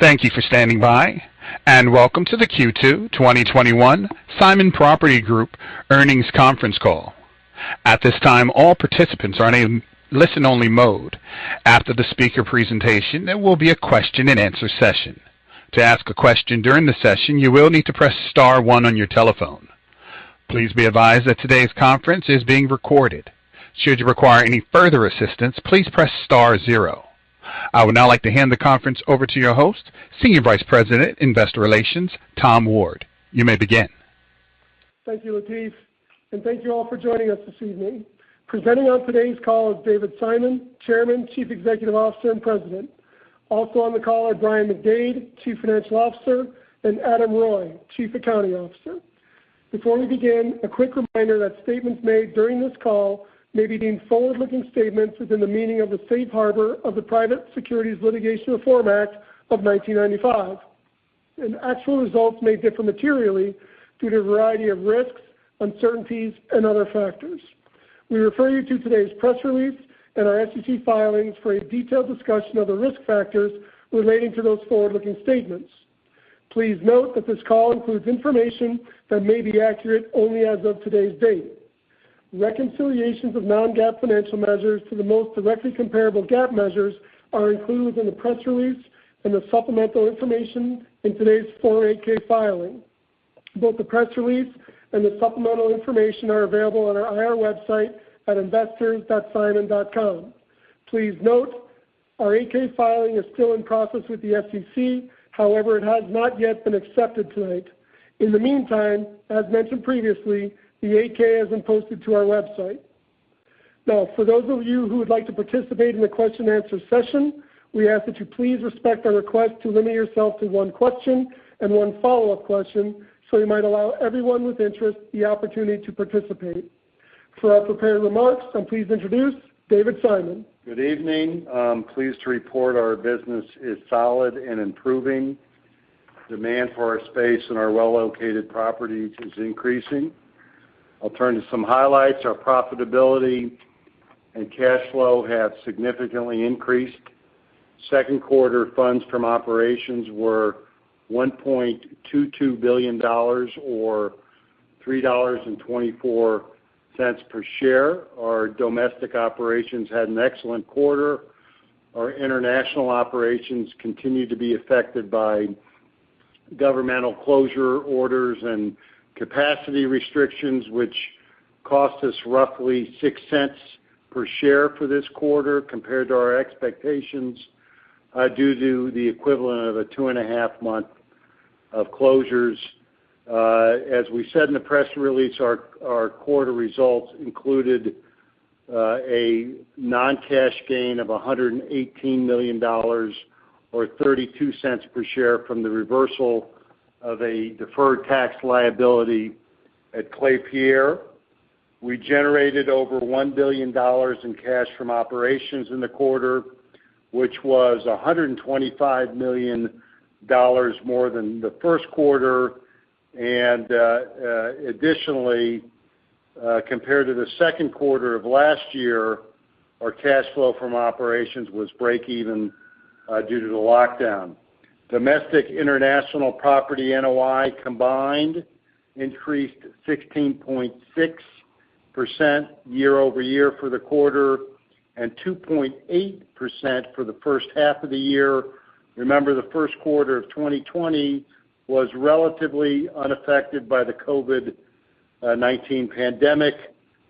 Thank you for standing by, and welcome to the Q2 2021 Simon Property Group Earnings Conference Call. At this time, all participants are in listen-only mode. After the speaker presentation, there will be a question and answer session. To ask a question during the session, you will need to press star one on your telephone. Please be advised that today's conference is being recorded. Should you require any further assistance, please press star zero. I would now like to hand the conference over to your host, Senior Vice President, Investor Relations, Tom Ward. You may begin. Thank you, Ateef, and thank you all for joining us this evening. Presenting on today's call is David Simon, Chairman, Chief Executive Officer, and President. Also on the call are Brian McDade, Chief Financial Officer, and Adam Reuille, Chief Accounting Officer. Before we begin, a quick reminder that statements made during this call may be deemed forward-looking statements within the meaning of the safe harbor of the Private Securities Litigation Reform Act of 1995, and actual results may differ materially due to a variety of risks, uncertainties, and other factors. We refer you to today's press release and our SEC filings for a detailed discussion of the risk factors relating to those forward-looking statements. Please note that this call includes information that may be accurate only as of today's date. Reconciliations of non-GAAP financial measures to the most directly comparable GAAP measures are included in the press release and the supplemental information in today's 8-K filing. Both the press release and the supplemental information are available on our IR website at investors.simon.com. Please note, our 8-K filing is still in process with the SEC. It has not yet been accepted tonight. In the meantime, as mentioned previously, the 8-K has been posted to our website. For those of you who would like to participate in the question and answer session, we ask that you please respect our request to limit yourself to one question and one follow-up question, so we might allow everyone with interest the opportunity to participate. For our prepared remarks, I'm pleased to introduce David Simon. Good evening. I'm pleased to report our business is solid and improving. Demand for our space and our well-located properties is increasing. I'll turn to some highlights. Our profitability and cash flow have significantly increased. Second quarter funds from operations were $1.22 billion or $3.24 per share. Our domestic operations had an excellent quarter. Our international operations continued to be affected by governmental closure orders and capacity restrictions, which cost us roughly $0.06 per share for this quarter compared to our expectations, due to the equivalent of a two and a half month of closures. As we said in the press release, our quarter results included a non-cash gain of $118 million or $0.32 per share from the reversal of a deferred tax liability at Klépierre. We generated over $1 billion in cash from operations in the quarter, which was $125 million more than the first quarter. Additionally, compared to the second quarter of last year, our cash flow from operations was break even due to the lockdown. Domestic international property NOI combined increased 16.6% year-over-year for the quarter and 2.8% for the first half of the year. Remember, the first quarter of 2020 was relatively unaffected by the COVID-19 pandemic.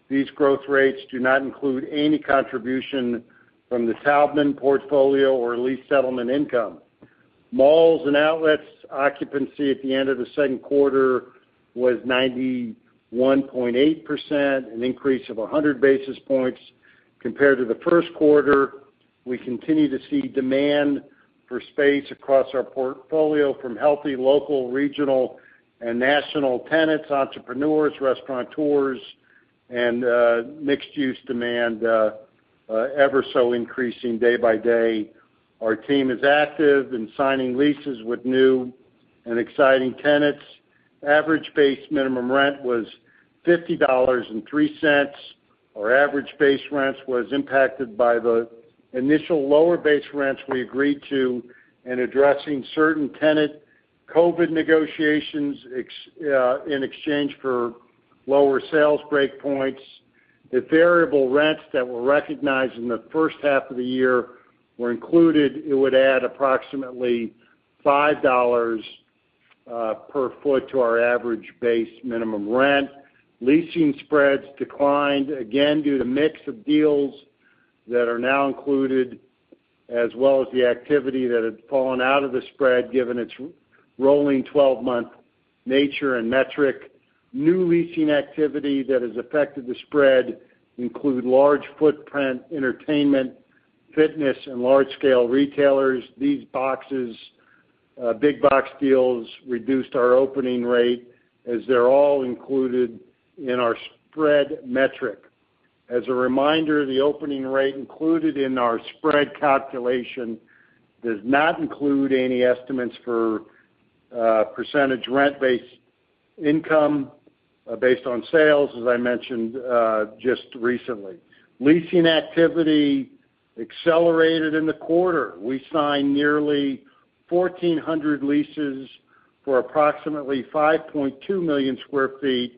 These growth rates do not include any contribution from the Taubman portfolio or lease settlement income. Malls and outlets occupancy at the end of the second quarter was 91.8%, an increase of 100 basis points compared to the first quarter. We continue to see demand for space across our portfolio from healthy local, regional, and national tenants, entrepreneurs, restaurateurs, and mixed-use demand ever so increasing day by day. Our team is active in signing leases with new and exciting tenants. Average base minimum rent was $50.03. Our average base rents was impacted by the initial lower base rents we agreed to in addressing certain tenant COVID negotiations in exchange for lower sales breakpoints. If variable rents that were recognized in the first half of the year were included, it would add approximately $5/ft to our average base minimum rent. Leasing spreads declined again due to mix of deals that are now included, as well as the activity that had fallen out of the spread, given its rolling 12-month nature and metric. New leasing activity that has affected the spread include large footprint entertainment, fitness, and large scale retailers. These big box deals reduced our opening rate as they're all included in our spread metric. As a reminder, the opening rate included in our spread calculation does not include any estimates for percentage rent based income based on sales, as I mentioned just recently. Leasing activity accelerated in the quarter. We signed nearly 1,400 leases for approximately 5.2 million sq ft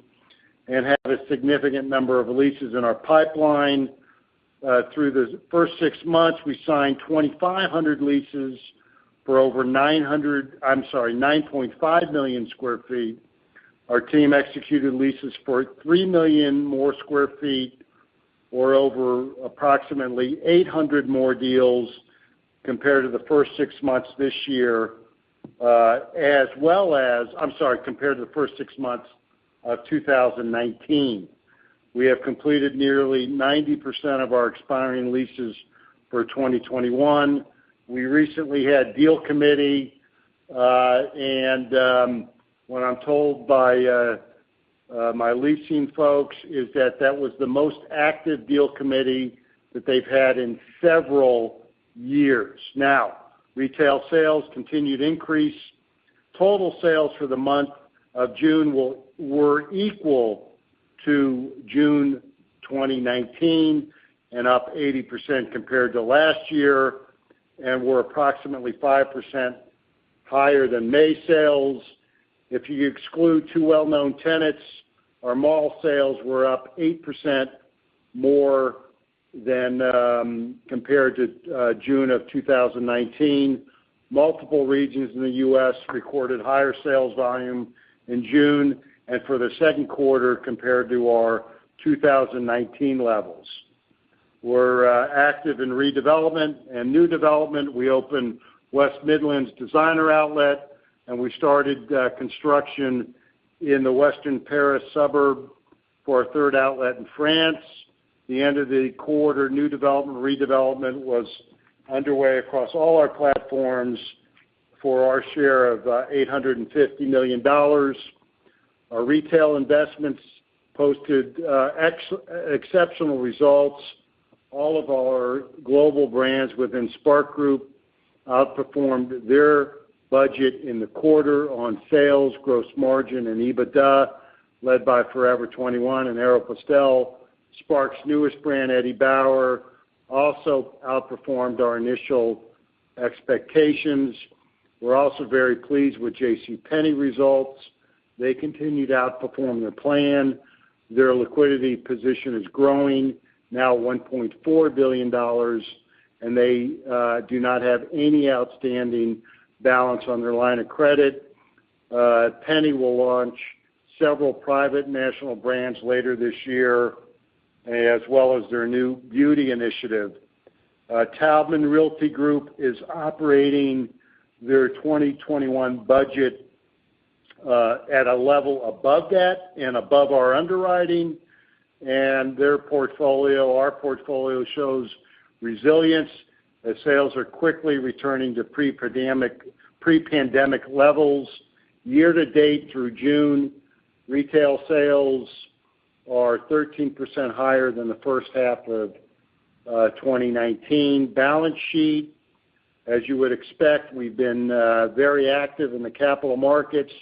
and have a significant number of leases in our pipeline. Through the first six months, we signed 2,500 leases for over 9.5 million sq ft. Our team executed leases for 3 million more sq ft or over approximately 800 more deals compared to the first six months of 2019. We have completed nearly 90% of our expiring leases for 2021. We recently had deal committee. What I'm told by my leasing folks is that that was the most active deal committee that they've had in several years. Retail sales continued increase. Total sales for the month of June were equal to June 2019 and up 80% compared to last year, and were approximately 5% higher than May sales. If you exclude two well-known tenants, our mall sales were up 8% more than compared to June of 2019. Multiple regions in the U.S. recorded higher sales volume in June and for the second quarter compared to our 2019 levels. We're active in redevelopment and new development. We opened West Midlands Designer Outlet, and we started construction in the Western Paris suburb for our third outlet in France. The end of the quarter, new development, redevelopment was underway across all our platforms for our share of $850 million. Our retail investments posted exceptional results. All of our global brands within SPARC Group outperformed their budget in the quarter on sales, gross margin, and EBITDA, led by Forever 21 and Aéropostale. SPARC's newest brand, Eddie Bauer, also outperformed our initial expectations. We're also very pleased with JCPenney results. They continue to outperform their plan. Their liquidity position is growing, now $1.4 billion, and they do not have any outstanding balance on their line of credit. Penney will launch several private national brands later this year, as well as their new beauty initiative. Taubman Realty Group is operating their 2021 budget at a level above that and above our underwriting. Their portfolio, our portfolio shows resilience as sales are quickly returning to pre-pandemic levels. Year-to-date through June, retail sales are 13% higher than the first half of 2019. Balance sheet, as you would expect, we've been very active in the capital markets.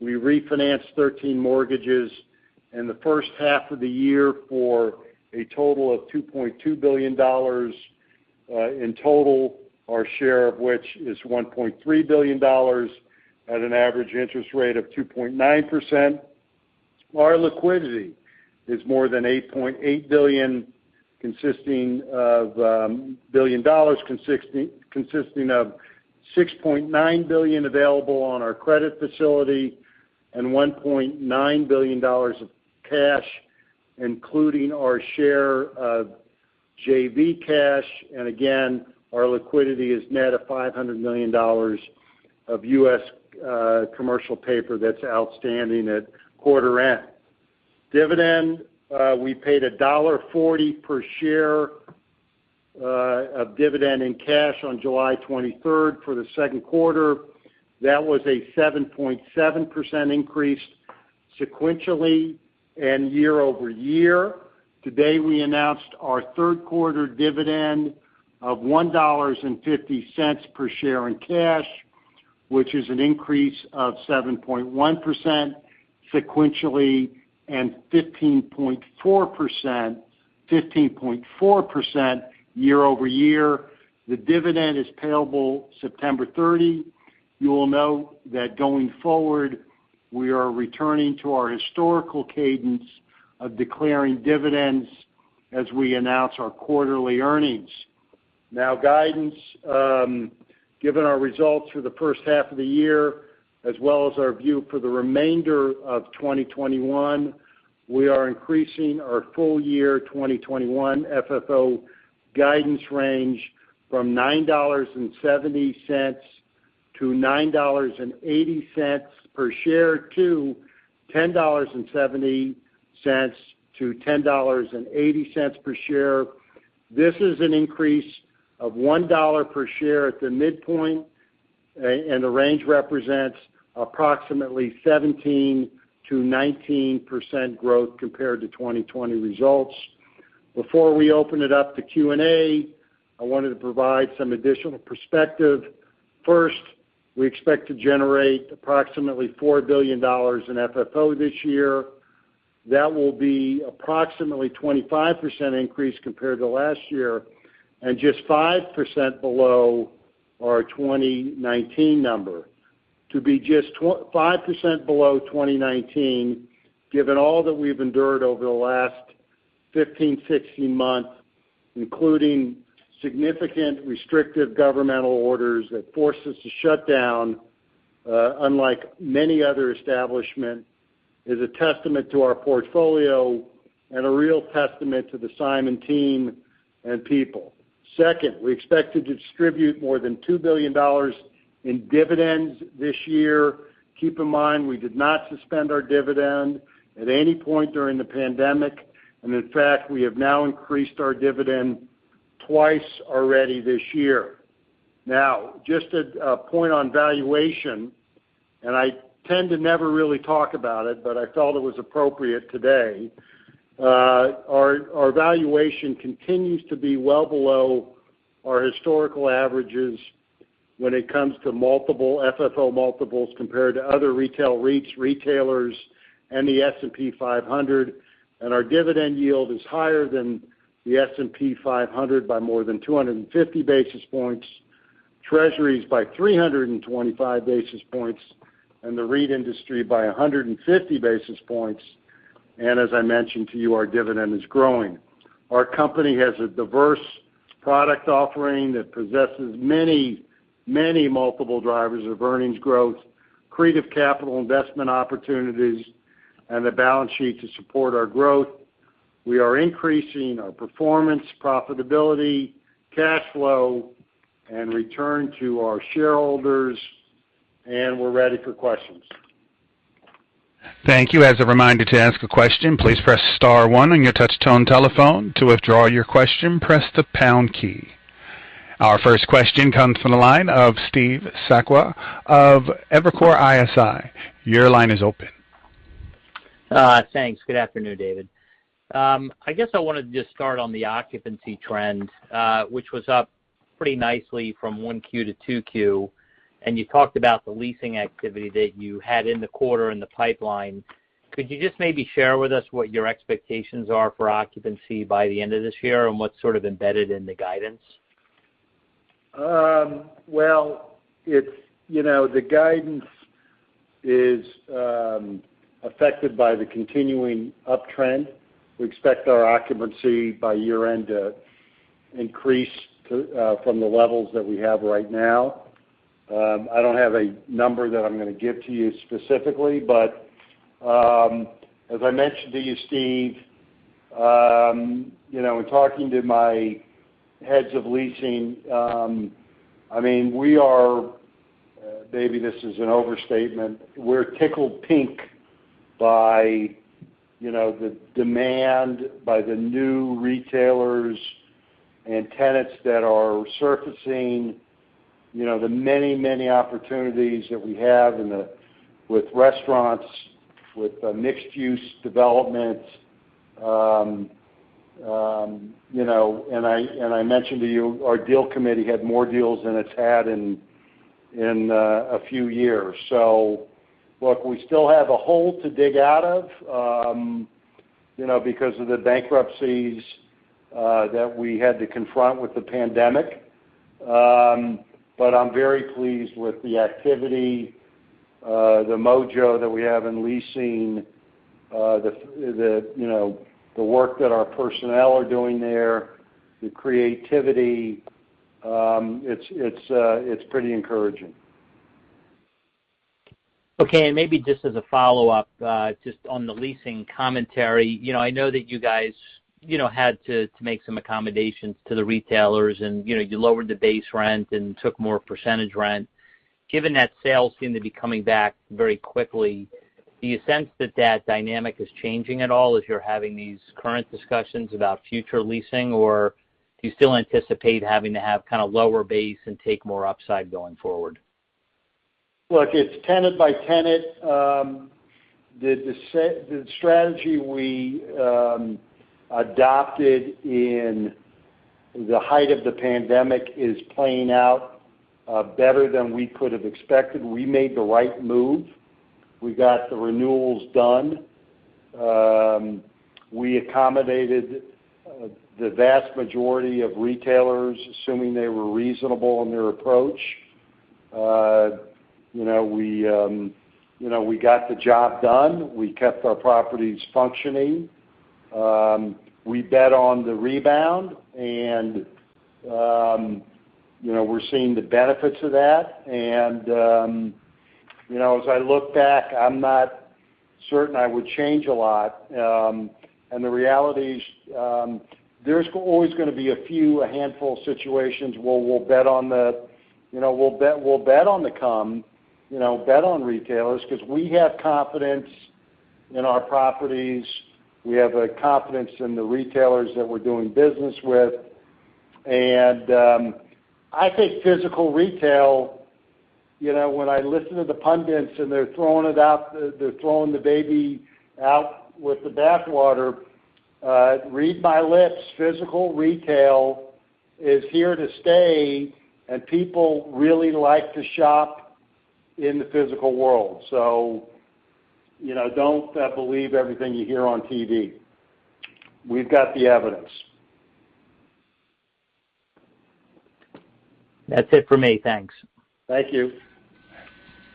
We refinanced 13 mortgages in the first half of the year for a total of $2.2 billion. In total, our share of which is $1.3 billion at an average interest rate of 2.9%. Our liquidity is more than $8.8 billion, consisting of $6.9 billion available on our credit facility and $1.9 billion of cash, including our share of JV cash. Again, our liquidity is net of $500 million of U.S. commercial paper that's outstanding at quarter end. Dividend, we paid $1.40 per share of dividend in cash on July 23rd for the second quarter. That was a 7.7% increase sequentially and year-over-year. Today, we announced our third quarter dividend of $1.50 per share in cash, which is an increase of 7.1% sequentially and 15.4% year-over-year. The dividend is payable September 30. You will note that going forward, we are returning to our historical cadence of declaring dividends as we announce our quarterly earnings. Now guidance. Given our results for the first half of the year, as well as our view for the remainder of 2021, we are increasing our full year 2021 FFO guidance range from $9.70-$9.80 per share to $10.70-$10.80 per share. This is an increase of $1 per share at the midpoint, and the range represents approximately 17%-19% growth compared to 2020 results. Before we open it up to Q&A, I wanted to provide some additional perspective. First, we expect to generate approximately $4 billion in FFO this year. That will be approximately 25% increase compared to last year, and just 5% below our 2019 number. To be just 5% below 2019, given all that we've endured over the last 15, 16 months, including significant restrictive governmental orders that forced us to shut down, unlike many other establishments, is a testament to our portfolio and a real testament to the Simon team and people. Second, we expect to distribute more than $2 billion in dividends this year. Keep in mind, we did not suspend our dividend at any point during the pandemic, and in fact, we have now increased our dividend twice already this year. Now, just a point on valuation, and I tend to never really talk about it, but I felt it was appropriate today. Our valuation continues to be well below our historical averages when it comes to FFO multiples compared to other retail REITs, retailers, and the S&P 500. Our dividend yield is higher than the S&P 500 by more than 250 basis points, Treasuries by 325 basis points, and the REIT industry by 150 basis points. As I mentioned to you, our dividend is growing. Our company has a diverse product offering that possesses many multiple drivers of earnings growth, creative capital investment opportunities, and a balance sheet to support our growth. We are increasing our performance, profitability, cash flow, and return to our shareholders, and we're ready for questions. Thank you. As a reminder to ask a question, please press star one on your touch tone telephone. To withdraw your question, press the pound key. Our first question comes from the line of Steve Sakwa of Evercore ISI. Your line is open. Thanks. Good afternoon, David. I guess I want to just start on the occupancy trend, which was up pretty nicely from 1Q to 2Q. You talked about the leasing activity that you had in the quarter in the pipeline. Could you just maybe share with us what your expectations are for occupancy by the end of this year, and what's sort of embedded in the guidance? Well, the guidance is affected by the continuing uptrend. We expect our occupancy by year end to increase from the levels that we have right now. I don't have a number that I'm going to give to you specifically, but, as I mentioned to you, Steve, in talking to my heads of leasing, maybe this is an overstatement, we're tickled pink by the demand by the new retailers and tenants that are surfacing, the many opportunities that we have with restaurants, with mixed-use developments. I mentioned to you, our deal committee had more deals than it's had in a few years. Look, we still have a hole to dig out of, because of the bankruptcies that we had to confront with the pandemic. I'm very pleased with the activity, the mojo that we have in leasing, the work that our personnel are doing there, the creativity. It's pretty encouraging. Okay. Maybe just as a follow-up, just on the leasing commentary. I know that you guys had to make some accommodations to the retailers, and you lowered the base rent and took more percentage rent. Given that sales seem to be coming back very quickly, do you sense that that dynamic is changing at all as you're having these current discussions about future leasing, or do you still anticipate having to have kind of lower base and take more upside going forward? Look, it's tenant by tenant. The strategy we adopted in the height of the pandemic is playing out better than we could have expected. We made the right move. We got the renewals done. We accommodated the vast majority of retailers, assuming they were reasonable in their approach. We got the job done. We kept our properties functioning. We bet on the rebound, and we're seeing the benefits of that. As I look back, I'm not certain I would change a lot. The reality is, there's always going to be a few, a handful of situations where we'll bet on the come, bet on retailers because we have confidence in our properties. We have a confidence in the retailers that we're doing business with. I think physical retail. When I listen to the pundits and they're throwing the baby out with the bathwater, read my lips, physical retail is here to stay, and people really like to shop in the physical world. Don't believe everything you hear on TV. We've got the evidence. That's it for me. Thanks. Thank you.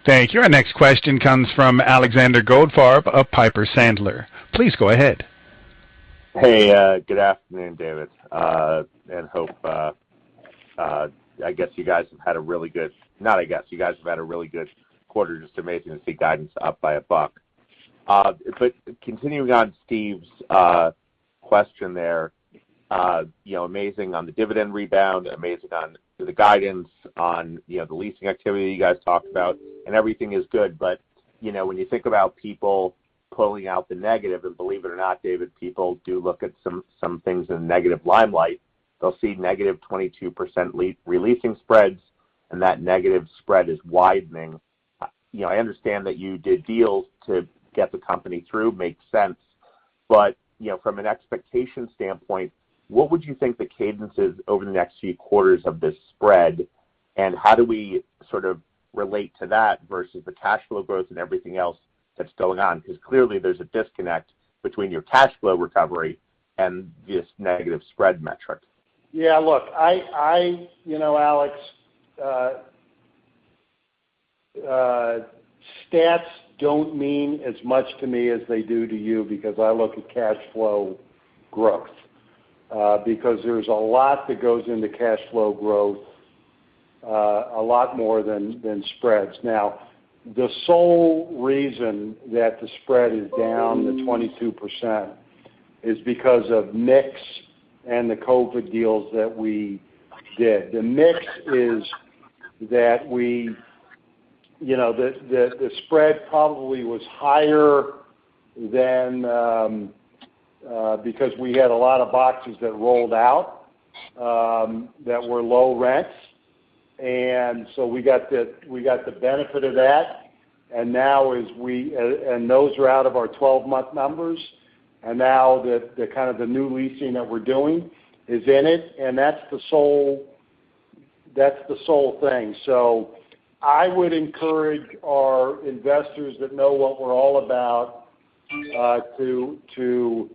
Thank you. Our next question comes from Alexander Goldfarb of Piper Sandler. Please go ahead. Hey, good afternoon, David. And Hope. You guys have had a really good quarter. Just amazing to see guidance up by a buck. Continuing on Steve's question there, amazing on the dividend rebound, amazing on the guidance, on the leasing activity you guys talked about, and everything is good. When you think about people pulling out the negative, and believe it or not, David, people do look at some things in a negative limelight. They'll see negative 22% re-leasing spreads, and that negative spread is widening. I understand that you did deals to get the company through, makes sense. From an expectation standpoint, what would you think the cadence is over the next few quarters of this spread, and how do we sort of relate to that versus the cash flow growth and everything else that's going on? Clearly, there's a disconnect between your cash flow recovery and this negative spread metric. Yeah, look, Alex, stats don't mean as much to me as they do to you because I look at cash flow growth, because there's a lot that goes into cash flow growth, a lot more than spreads. The sole reason that the spread is down to 22% is because of mix and the COVID deals that we did. The mix is that the spread probably was higher than, because we had a lot of boxes that rolled out, that were low rents. We got the benefit of that, and those are out of our 12-month numbers. The kind of the new leasing that we're doing is in it, and that's the sole thing. I would encourage our investors that know what we're all about to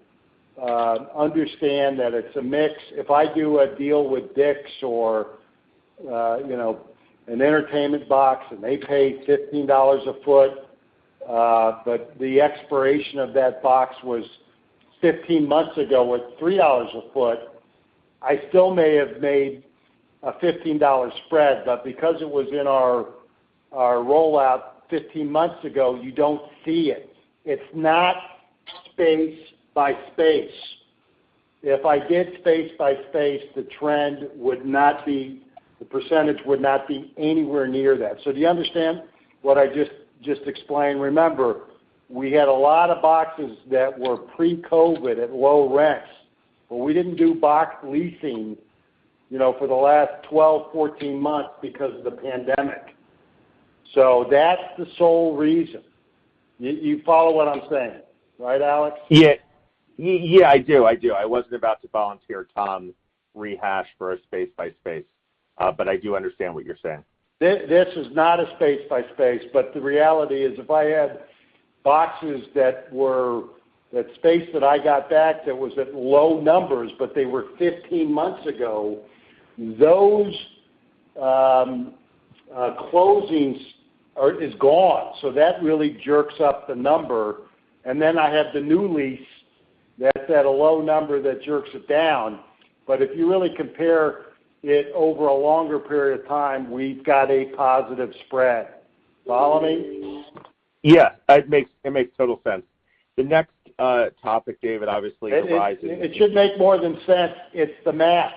understand that it's a mix. If I do a deal with Dick's or an entertainment box and they pay $15 a ft, but the expiration of that box was 15 months ago with $3 a ft, I still may have made a $15 spread, but because it was in our rollout 15 months ago, you don't see it. It's not space by space. If I did space by space, the percentage would not be anywhere near that. Do you understand what I just explained? Remember, we had a lot of boxes that were pre-COVID at low rents, but we didn't do box leasing for the last 12, 14 months because of the pandemic. That's the sole reason. You follow what I'm saying, right, Alex? Yeah, I do. I wasn't about to volunteer Tom rehash for a space by space. I do understand what you're saying. This is not a space by space, the reality is if I had boxes that space that I got back that was at low numbers, they were 15 months ago, those closings is gone. That really jerks up the number, then I have the new lease that's at a low number that jerks it down. If you really compare it over a longer period of time, we've got a positive spread. Follow me? Yeah. It makes total sense. The next topic, David, obviously arising- It should make more than sense. It's the math.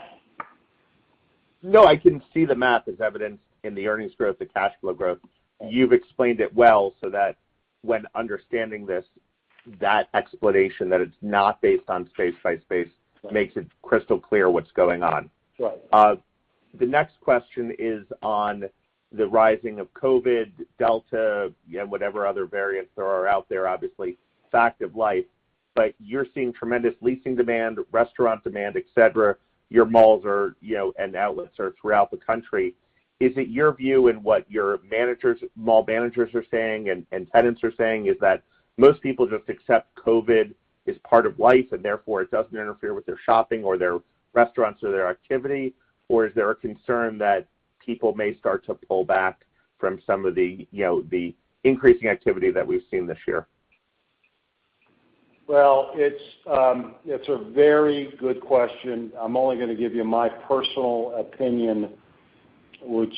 I can see the math as evidenced in the earnings growth, the cash flow growth. You've explained it well so that when understanding this, that explanation that it's not based on space by space makes it crystal clear what's going on. Right. The next question is on the rising of COVID, Delta, whatever other variants there are out there, obviously fact of life, but you're seeing tremendous leasing demand, restaurant demand, et cetera. Your malls and outlets are throughout the country. Is it your view in what your mall managers are saying and tenants are saying is that most people just accept COVID is part of life, and therefore it doesn't interfere with their shopping or their restaurants or their activity? Is there a concern that people may start to pull back from some of the increasing activity that we've seen this year? Well, it's a very good question. I'm only going to give you my personal opinion, which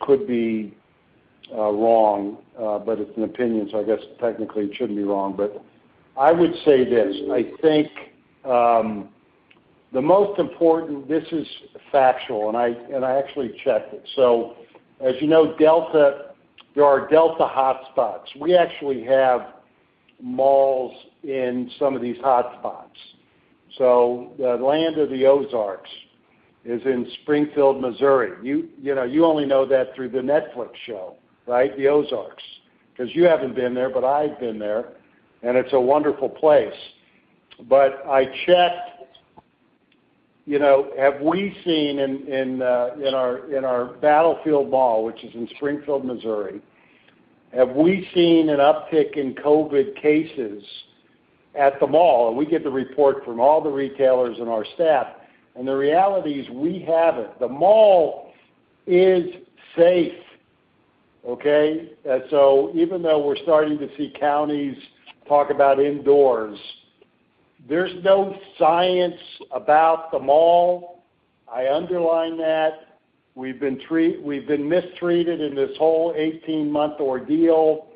could be wrong, but it's an opinion, so I guess technically it shouldn't be wrong. I would say this, I think, the most important, this is factual, and I actually checked it. As you know, there are Delta hotspots. We actually have malls in some of these hotspots. The Land of the Ozarks is in Springfield, Missouri. You only know that through the Netflix show, right? The Ozarks. You haven't been there, but I've been there, and it's a wonderful place. I checked, have we seen in our Battlefield Mall, which is in Springfield, Missouri, have we seen an uptick in COVID cases at the mall? We get the report from all the retailers and our staff, and the reality is we haven't. The mall is safe. Okay? Even though we're starting to see counties talk about indoors, there's no science about the mall. I underline that. We've been mistreated in this whole 18-month ordeal,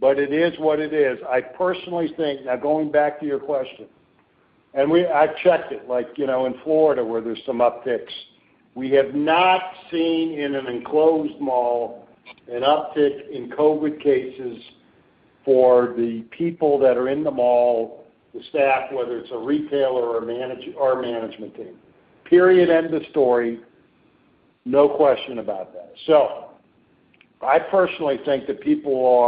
but it is what it is. I personally think, now, going back to your question, and I've checked it, like in Florida, where there's some upticks. We have not seen in an enclosed mall an uptick in COVID-19 cases for the people that are in the mall, the staff, whether it's a retailer or our management team. Period, end of story. No question about that. I personally think that people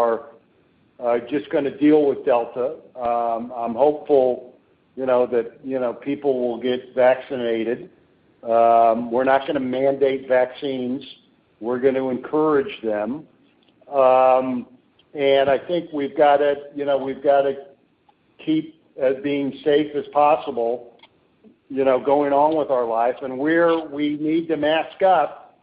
are just going to deal with Delta. I'm hopeful that people will get vaccinated. We're not going to mandate vaccines. We're going to encourage them. I think we've got to keep as being safe as possible, going on with our life. Where we need to mask up,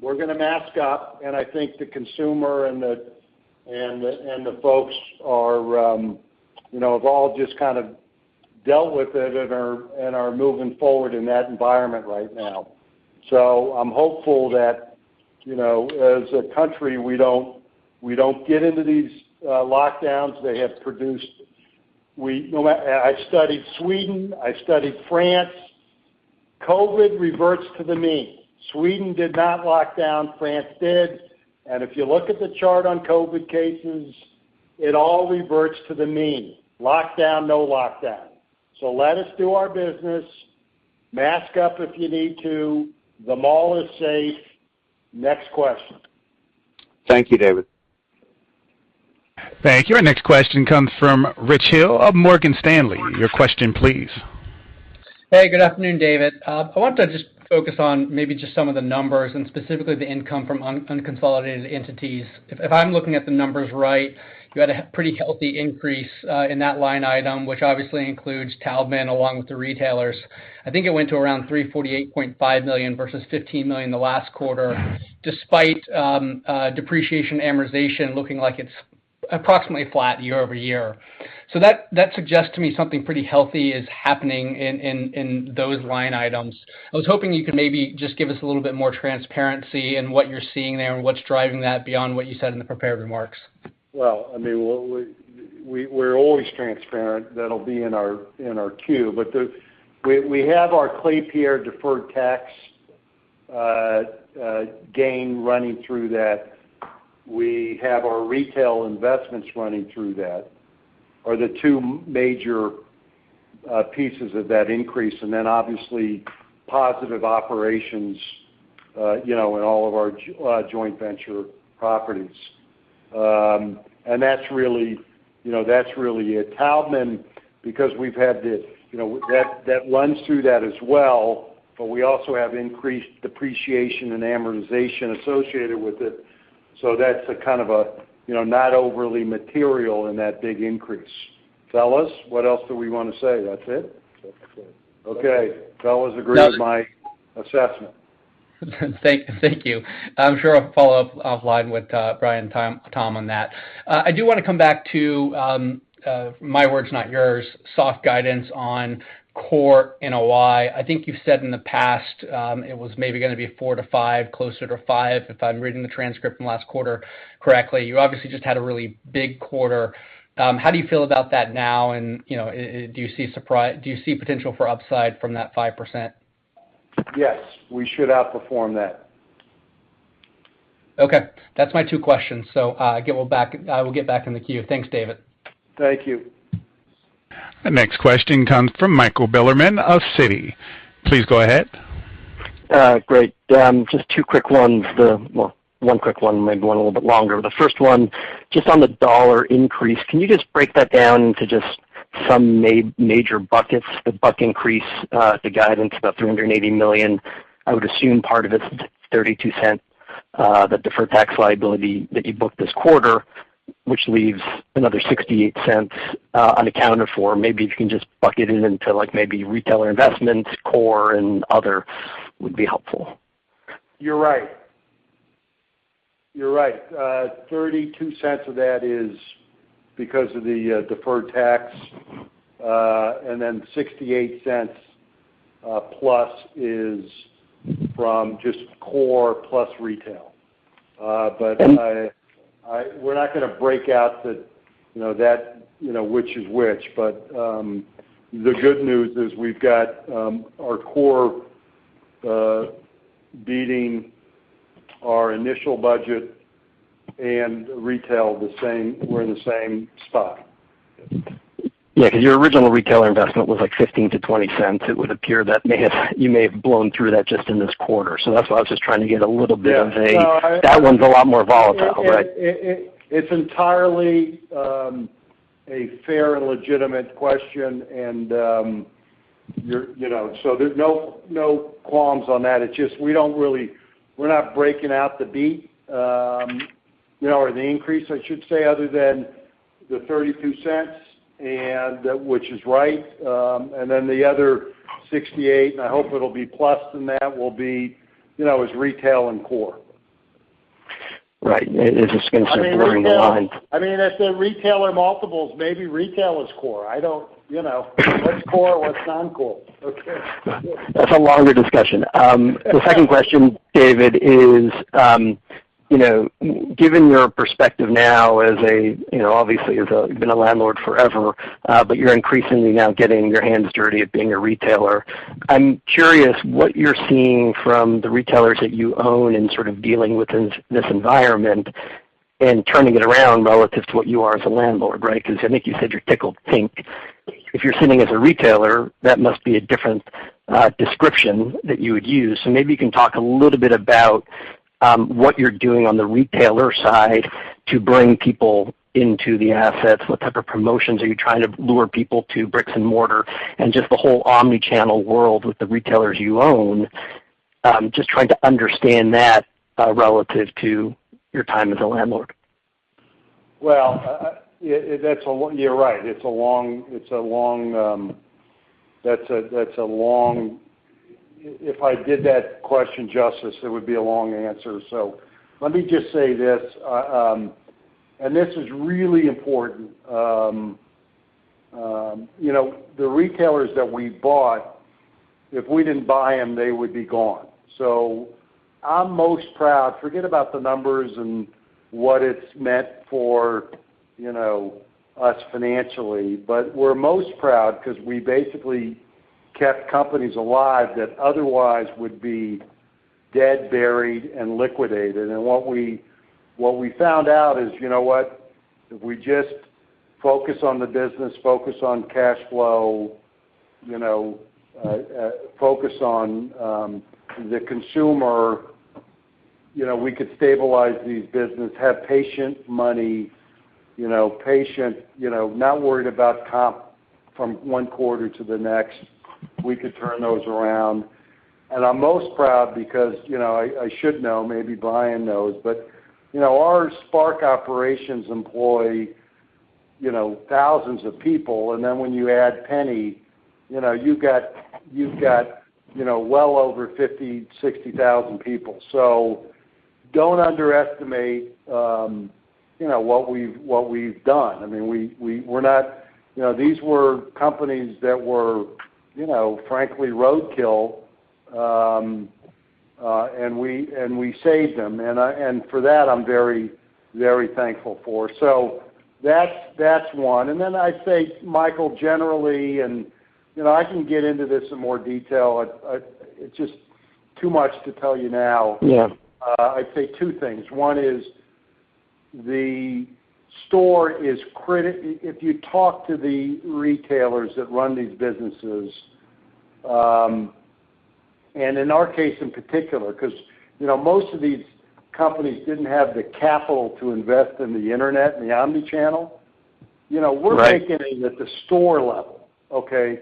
we're going to mask up, I think the consumer and the folks have all just kind of dealt with it and are moving forward in that environment right now. I'm hopeful that, as a country, we don't get into these lockdowns. I studied Sweden. I studied France. COVID reverts to the mean. Sweden did not lock down, France did, if you look at the chart on COVID cases, it all reverts to the mean. Lockdown, no lockdown. Let us do our business. Mask up if you need to. The mall is safe. Next question. Thank you, David. Thank you. Our next question comes from Rich Hill of Morgan Stanley. Your question, please. Hey, good afternoon, David. I want to just focus on maybe just some of the numbers, and specifically the income from unconsolidated entities. If I'm looking at the numbers right, you had a pretty healthy increase, in that line item, which obviously includes Taubman along with the retailers. I think it went to around $348.5 million versus $15 million the last quarter, despite depreciation amortization looking like it's approximately flat year-over-year. That suggests to me something pretty healthy is happening in those line items. I was hoping you could maybe just give us a little bit more transparency in what you're seeing there and what's driving that beyond what you said in the prepared remarks. Well, we're always transparent. That'll be in our Q. We have our Klépierre deferred tax gain running through that. We have our retail investments running through that, are the two major pieces of that increase. Obviously, positive operations in all of our joint venture properties. That's really it. Taubman, because that runs through that as well, but we also have increased depreciation and amortization associated with it, so that's kind of not overly material in that big increase. Fellas, what else do we want to say? That's it? That's it. Okay. Fellas agree with my assessment. Thank you. I'm sure I'll follow up offline with Brian and Tom on that. I do want to come back to, my words, not yours, soft guidance on core NOI. I think you've said in the past, it was maybe going to be a 4%-5%, closer to 5%, if I'm reading the transcript from last quarter correctly. You obviously just had a really big quarter. How do you feel about that now, and do you see potential for upside from that 5%? Yes. We should outperform that. Okay. That's my two questions, so I will get back in the queue. Thanks, David. Thank you. The next question comes from Michael Bilerman of Citi. Please go ahead. Great. Just two quick ones. Well, one quick one, maybe one a little bit longer. The first one, just on the dollar increase, can you just break that down into just some major buckets? The buck increase, the guidance about $380 million. I would assume part of it's $0.32, the deferred tax liability that you booked this quarter, which leaves another $0.68 unaccounted for. Maybe if you can just bucket it into like maybe retailer investments, core, and other would be helpful. You're right. You're right. $0.32 of that is because of the deferred tax. Then $0.68 plus is from just core plus retail. We're not going to break out which is which. The good news is we've got our core beating our initial budget. Retail, we're in the same spot. Yeah, your original retailer investment was like $0.15-$0.20. It would appear that you may have blown through that just in this quarter. That's why I was just trying to get a little bit of. Yeah. No. That one's a lot more volatile, right? It's entirely a fair and legitimate question. There's no qualms on that. It's just we're not breaking out the beat, or the increase, I should say, other than the $0.32, and that which is right. The other $0.68, and I hope it'll be plus than that, will be as retail and core. Right. It's just going to sort of blur the line. I mean, if the retailer multiples, maybe retail is core. What's core, what's non-core? Okay. That's a longer discussion. The second question, David, is, given your perspective now, obviously, you've been a landlord forever, but you're increasingly now getting your hands dirty at being a retailer. I'm curious what you're seeing from the retailers that you own and sort of dealing with in this environment and turning it around relative to what you are as a landlord, right? Because I think you said you're tickled pink. If you're sitting as a retailer, that must be a different description that you would use. Maybe you can talk a little bit about what you're doing on the retailer side to bring people into the assets. What type of promotions are you trying to lure people to bricks and mortar, and just the whole omni-channel world with the retailers you own? Just trying to understand that relative to your time as a landlord. You're right. If I did that question justice, it would be a long answer. Let me just say this, and this is really important. The retailers that we bought, if we didn't buy them, they would be gone. I'm most proud, forget about the numbers and what it's meant for us financially, but we're most proud because we basically kept companies alive that otherwise would be dead, buried, and liquidated. What we found out is, you know what? If we just focus on the business, focus on cash flow, focus on the consumer, we could stabilize these businesses, have patient money. Patient, not worried about comp from one quarter to the next. We could turn those around. I'm most proud because I should know, maybe Brian knows, but our SPARC operations employ thousands of people, when you add Penney, you've got well over 50,000, 60,000 people. Don't underestimate what we've done. These were companies that were, frankly, roadkill, and we saved them, and for that, I'm very thankful for. That's one. I'd say, Michael, generally, and I can get into this in more detail. It's just too much to tell you now. Yeah. I'd say two things. One is the store is critical. If you talk to the retailers that run these businesses, and in our case in particular, because most of these companies didn't have the capital to invest in the internet and the omni-channel. Right. We're making it at the store level, okay?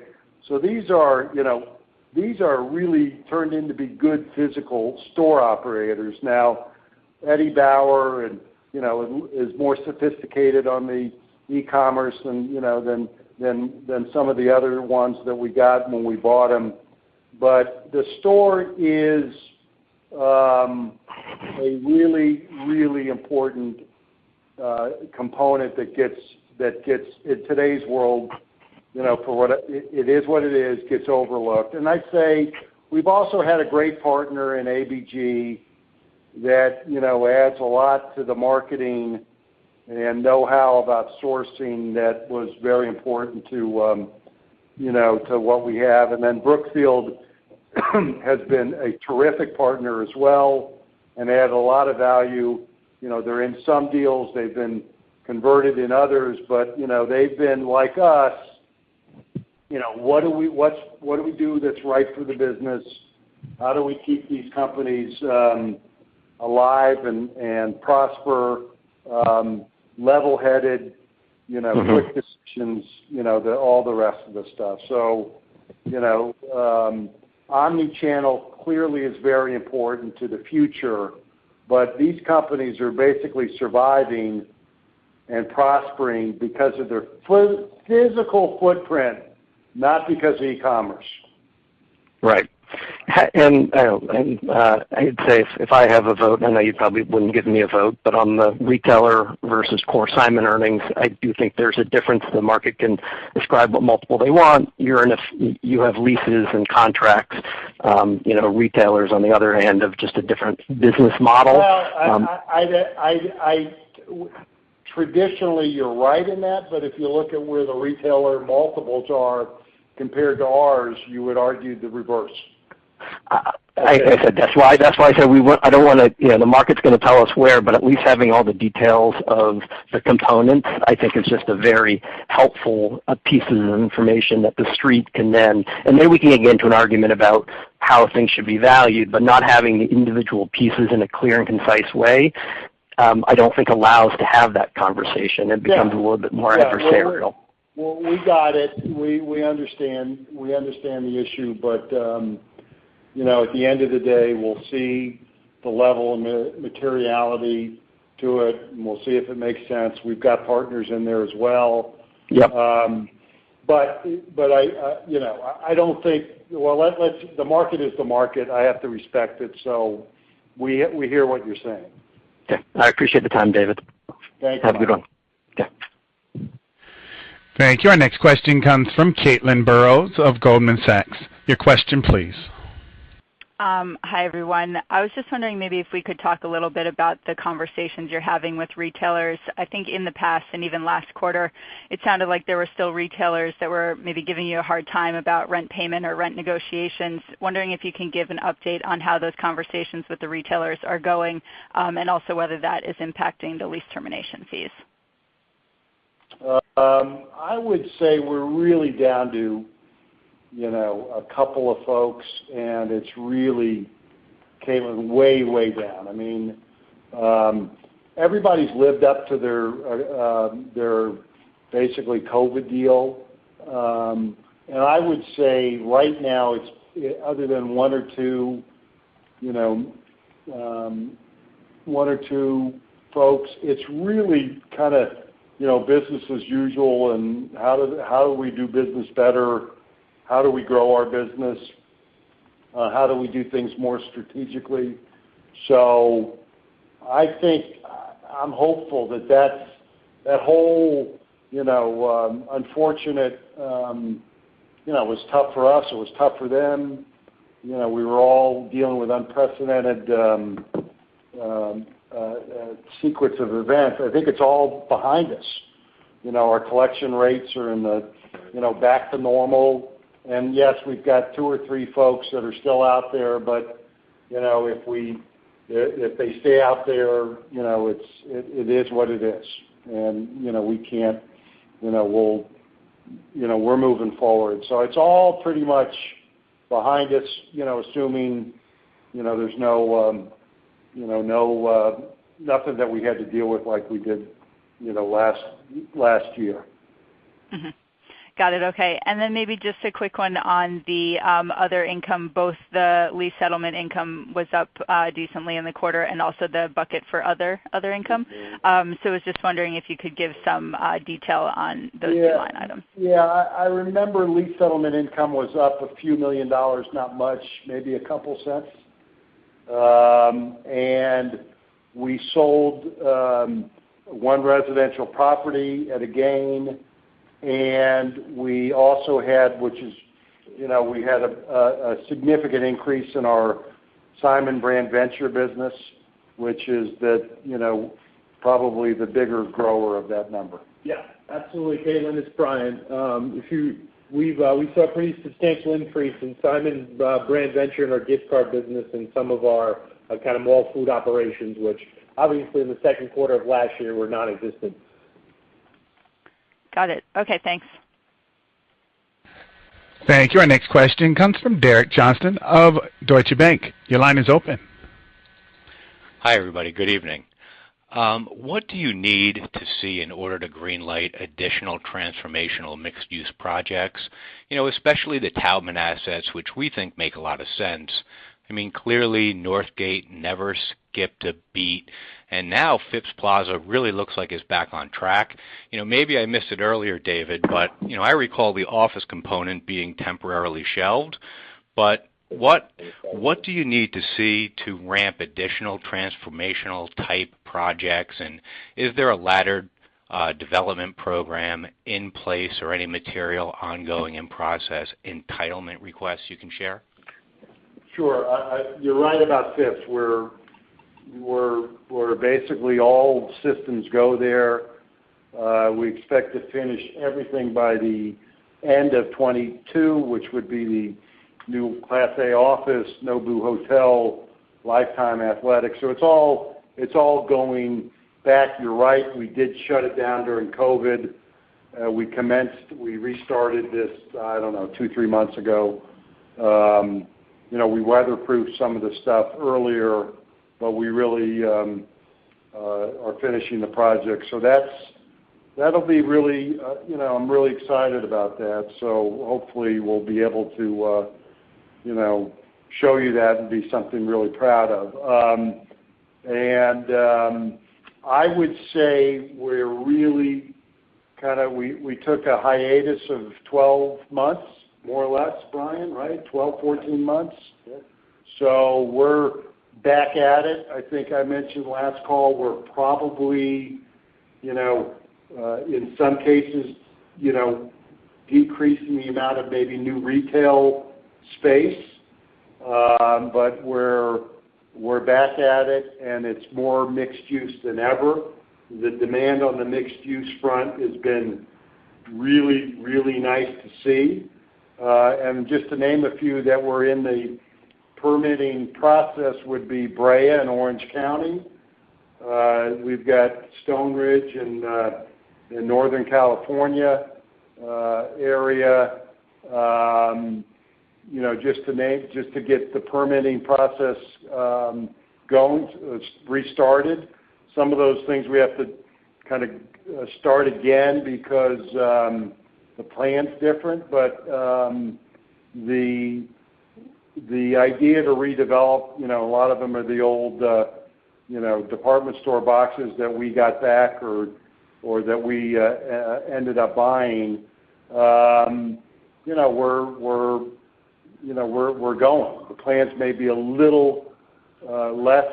These are really turned into be good physical store operators. Eddie Bauer is more sophisticated on the e-commerce than some of the other ones that we got when we bought them. The store is a really, really important component that gets, in today's world, it is what it is, gets overlooked. I'd say we've also had a great partner in ABG that adds a lot to the marketing and know-how about sourcing that was very important to what we have. Brookfield has been a terrific partner as well, and adds a lot of value. They're in some deals, they've been converted in others, but they've been like us. What do we do that's right for the business? How do we keep these companies alive and prosper- -quick decisions, all the rest of the stuff. Omni-channel clearly is very important to the future, but these companies are basically surviving and prospering because of their physical footprint, not because of e-commerce. Right. I would say if I have a vote, I know you probably wouldn't give me a vote, but on the retailer versus core Simon earnings, I do think there's a difference. The market can describe what multiple they want. You have leases and contracts. Retailers, on the other hand, have just a different business model. Well, traditionally, you're right in that, but if you look at where the retailer multiples are compared to ours, you would argue the reverse. That's why I said, the market's going to tell us where, but at least having all the details of the components, I think is just a very helpful piece of information that the Street can then. Maybe we can get into an argument about how things should be valued, not having the individual pieces in a clear and concise way, I don't think allows to have that conversation. Yeah. It becomes a little bit more adversarial. Well, we got it. We understand the issue, but at the end of the day, we'll see the level of materiality to it, and we'll see if it makes sense. We've got partners in there as well. Yep. The market is the market. I have to respect it. We hear what you're saying. Okay. I appreciate the time, David. Thanks, Michael. Have a good one. Okay. Thank you. Our next question comes from Caitlin Burrows of Goldman Sachs. Your question please. Hi, everyone. I was just wondering maybe if we could talk a little bit about the conversations you're having with retailers. I think in the past and even last quarter, it sounded like there were still retailers that were maybe giving you a hard time about rent payment or rent negotiations. Wondering if you can give an update on how those conversations with the retailers are going, and also whether that is impacting the lease termination fees. I would say we're really down to a couple of folks. It's really, Caitlin, way down. Everybody's lived up to their basically COVID deal. I would say right now, other than one or two folks, it's really kind of business as usual. How do we do business better? How do we grow our business? How do we do things more strategically? I think I'm hopeful. It was tough for us, it was tough for them. We were all dealing with unprecedented sequence of events. I think it's all behind us. Our collection rates are back to normal. Yes, we've got two or three folks that are still out there. If they stay out there, it is what it is. We're moving forward. It's all pretty much behind us, assuming nothing that we had to deal with like we did last year. Mm-hmm. Got it. Okay. Then maybe just a quick one on the other income, both the lease settlement income was up decently in the quarter and also the bucket for other income. I was just wondering if you could give some detail on those two line items. Yeah. I remember lease settlement income was up a few million dollars, not much, maybe $0.02. We sold one residential property at a gain, and we had a significant increase in our Simon Brand Ventures business, which is probably the bigger grower of that number. Yeah, absolutely, Caitlin, it's Brian. We saw a pretty substantial increase in Simon Brand Ventures in our gift card business and some of our kind of mall food operations, which obviously in the second quarter of last year were nonexistent. Got it. Okay, thanks. Thank you. Our next question comes from Derek Johnston of Deutsche Bank. Your line is open. Hi, everybody. Good evening. What do you need to see in order to green light additional transformational mixed-use projects, especially the Taubman assets, which we think make a lot of sense? Clearly Northgate never skipped a beat, and now Phipps Plaza really looks like it's back on track. Maybe I missed it earlier, David, but I recall the office component being temporarily shelved, but what do you need to see to ramp additional transformational type projects? Is there a laddered development program in place or any material ongoing in process, entitlement requests you can share? Sure. You're right about Phipps, where basically all systems go there. We expect to finish everything by the end of 2022, which would be the new Class A office, Nobu Hotel, Life Time Athletic. It's all going back. You're right, we did shut it down during COVID. We restarted this, I don't know, two, three months ago. We weatherproofed some of the stuff earlier, but we really are finishing the project. I'm really excited about that. Hopefully we'll be able to show you that and be something really proud of. I would say we took a hiatus of 12 months, more or less, Brian, right? 12, 14 months. Yeah. We're back at it. I think I mentioned last call, we're probably, in some cases, decreasing the amount of maybe new retail space. We're back at it, and it's more mixed use than ever. The demand on the mixed use front has been really, really nice to see. Just to name a few that were in the permitting process would be Brea in Orange County. We've got Stoneridge in the Northern California area. Just to get the permitting process restarted. Some of those things we have to start again because the plan's different. The idea to redevelop, a lot of them are the old department store boxes that we got back or that we ended up buying. We're going. The plans may be a little less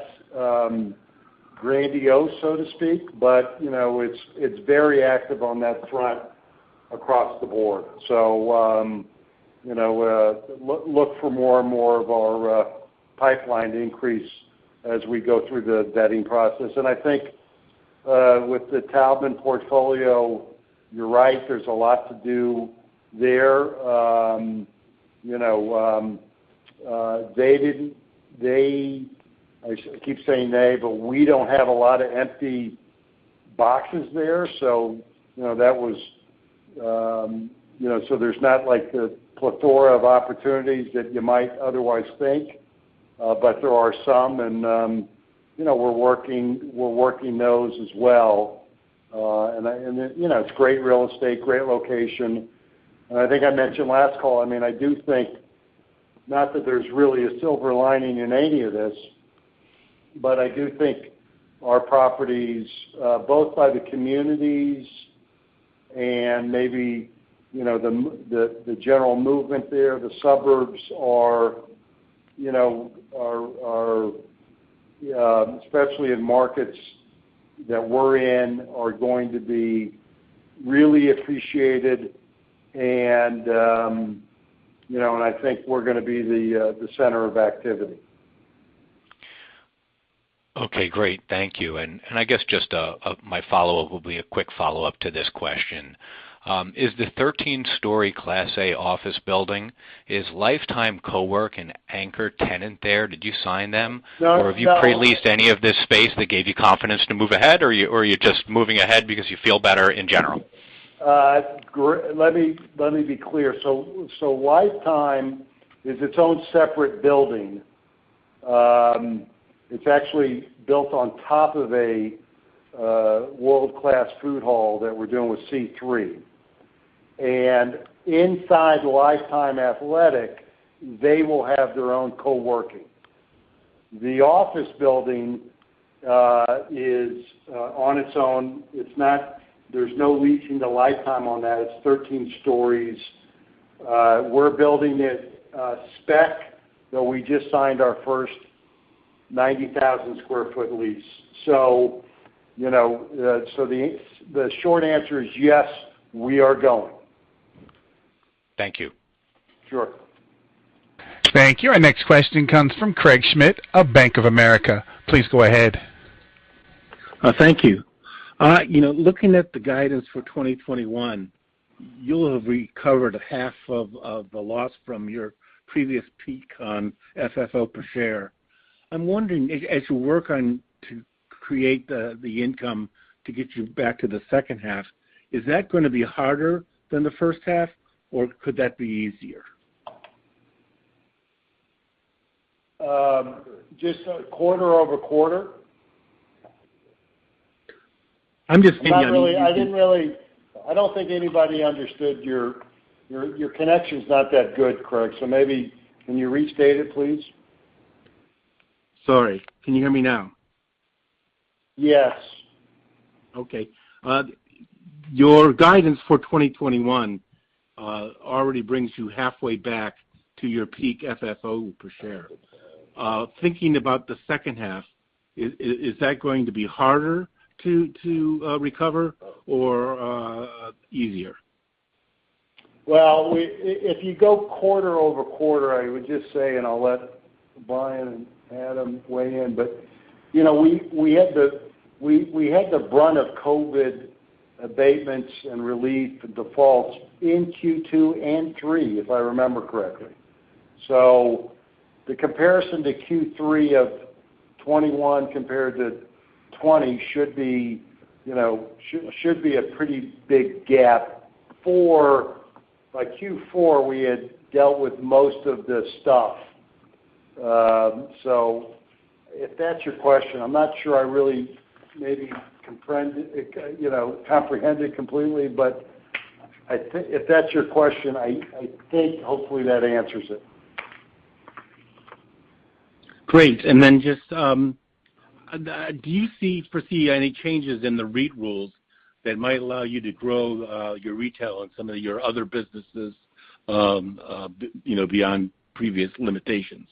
grandiose, so to speak, but it's very active on that front across the board. Look for more and more of our pipeline to increase as we go through the vetting process. I think with the Taubman portfolio, you're right, there's a lot to do there. I keep saying they, but we don't have a lot of empty boxes there, so there's not the plethora of opportunities that you might otherwise think. There are some, and we're working those as well. It's great real estate, great location. I think I mentioned last call, I do think, not that there's really a silver lining in any of this, but I do think our properties, both by the communities and maybe the general movement there, the suburbs are, especially in markets that we're in, are going to be really appreciated, and I think we're going to be the center of activity. Okay, great. Thank you. I guess just my follow-up will be a quick follow-up to this question. Is the 13-story Class A office building, is Life Time Work an anchor tenant there? Did you sign them? No. Have you pre-leased any of this space that gave you confidence to move ahead? Are you just moving ahead because you feel better in general? Let me be clear. Life Time is its own separate building. It's actually built on top of a world-class food hall that we're doing with C3. Inside Life Time Athletic, they will have their own coworking. The office building is on its own. There's no leasing to Life Time on that. It's 13 stories. We're building it spec, though we just signed our first 90,000 sq ft lease. The short answer is yes, we are going. Thank you. Sure. Thank you. Our next question comes from Craig Schmidt of Bank of America. Please go ahead. Thank you. Looking at the guidance for 2021, you'll have recovered a half of the loss from your previous peak on FFO per share. I'm wondering, as you work on to create the income to get you back to the second half, is that going to be harder than the first half, or could that be easier? Just quarter-over-quarter? I'm just thinking, I mean. I don't think anybody understood. Your connection's not that good, Craig, so maybe can you restate it, please? Sorry. Can you hear me now? Yes. Okay. Your guidance for 2021 already brings you halfway back to your peak FFO per share. Thinking about the second half, is that going to be harder to recover or easier? Well, if you go quarter-over-quarter, I would just say, and I'll let Brian and Adam weigh in, but we had the brunt of COVID-19 abatements and relief defaults in Q2 and Q3, if I remember correctly. The comparison to Q3 of 2021 compared to 2020 should be a pretty big gap. By Q4, we had dealt with most of the stuff. If that's your question, I'm not sure I really maybe comprehended it completely, but if that's your question, I think hopefully that answers it. Great. Do you foresee any changes in the REIT rules that might allow you to grow your retail and some of your other businesses beyond previous limitations?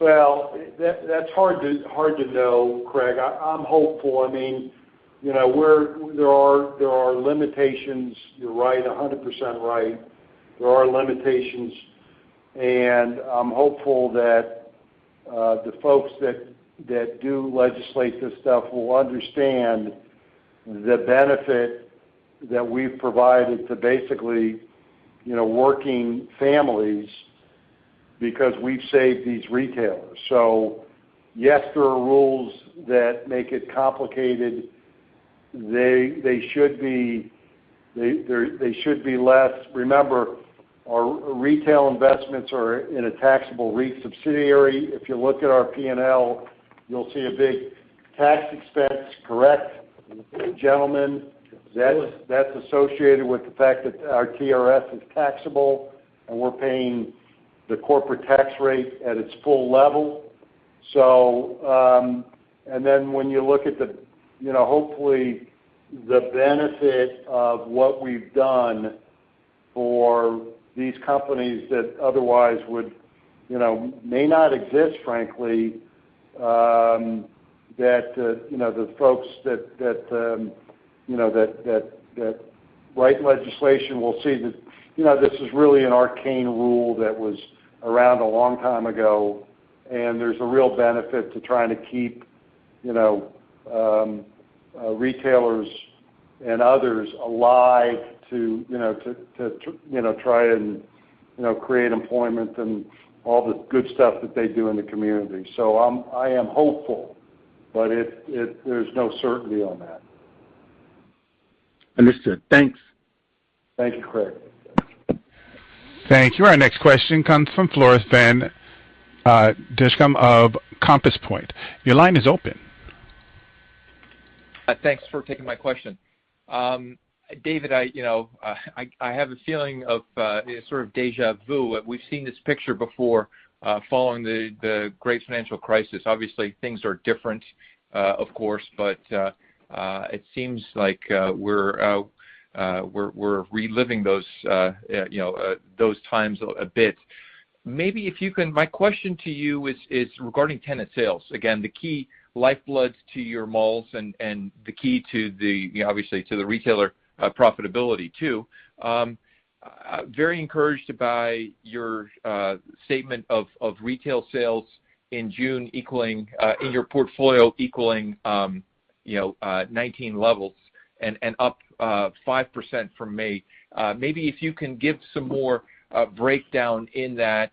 Well, that's hard to know, Craig. I'm hopeful. There are limitations. You're right, 100% right. There are limitations, and I'm hopeful that the folks that do legislate this stuff will understand the benefit that we've provided to basically working families because we've saved these retailers. Yes, there are rules that make it complicated. They should be less. Remember, our retail investments are in a taxable REIT subsidiary. If you look at our P&L, you'll see a big tax expense, correct, gentleman? Yes. That's associated with the fact that our TRS is taxable and we're paying the corporate tax rate at its full level. When you look at, hopefully, the benefit of what we've done for these companies that otherwise may not exist, frankly, that the folks that write legislation will see that this is really an arcane rule that was around a long time ago, and there's a real benefit to trying to keep retailers and others alive to try and create employment and all the good stuff that they do in the community. I am hopeful, but there's no certainty on that. Understood. Thanks. Thank you, Craig. Thank you. Our next question comes from Floris van Dijkum of Compass Point. Your line is open. Thanks for taking my question. David, I have a feeling of sort of deja vu. We've seen this picture before following the great financial crisis. Obviously, things are different, of course, it seems like we're reliving those times a bit. My question to you is regarding tenant sales. Again, the key lifebloods to your malls and the key, obviously, to the retailer profitability, too. Very encouraged by your statement of retail sales in June, in your portfolio equaling 19 levels and up 5% from May. Maybe if you can give some more breakdown in that,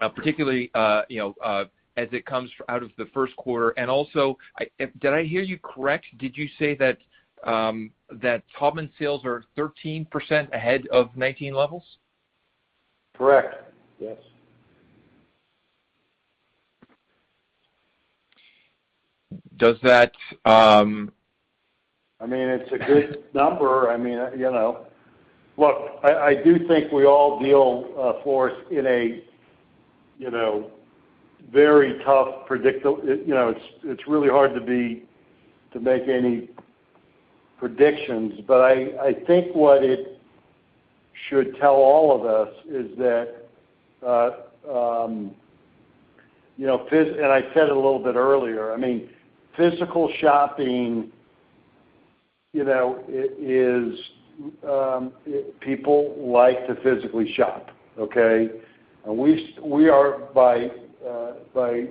particularly as it comes out of the first quarter. Also, did I hear you correct? Did you say that Taubman sales are 13% ahead of 19 levels? Correct. Yes. Does that- It's a good number. Look, I do think we all deal, Floris, in a very tough. It's really hard to make any predictions, but I think what it should tell all of us is that, and I said it a little bit earlier, physical shopping is people like to physically shop, okay? We are, by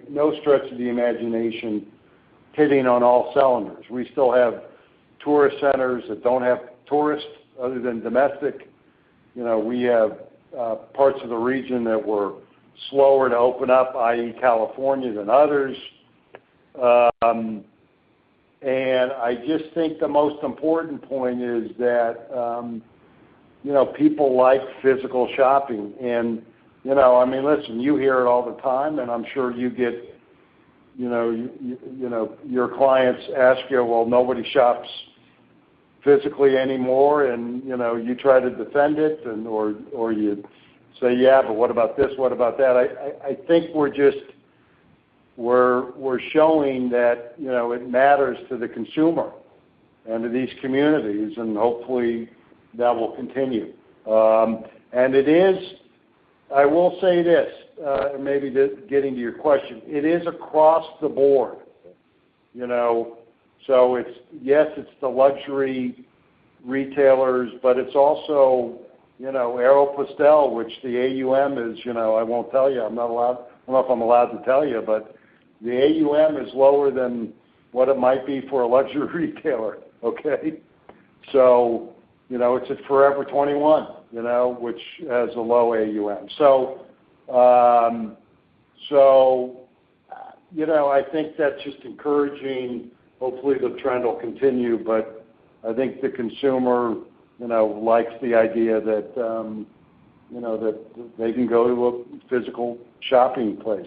no stretch of the imagination, hitting on all cylinders. We still have tourist centers that don't have tourists other than domestic. We have parts of the region that were slower to open up, i.e., California, than others. I just think the most important point is that people like physical shopping. Listen, you hear it all the time, and I'm sure your clients ask you, well, nobody shops physically anymore, and you try to defend it, or you say, yeah, but what about this? What about that? I think we're showing that it matters to the consumer and to these communities, and hopefully that will continue. I will say this, maybe getting to your question. It is across the board. Yes, it's the luxury retailers, but it's also Aéropostale, which the AUR is, I won't tell you, I don't know if I'm allowed to tell you, but the AUR is lower than what it might be for a luxury retailer, okay? It's at Forever 21, which has a low AUR. I think that's just encouraging. Hopefully, the trend will continue, but I think the consumer likes the idea that they can go to a physical shopping place.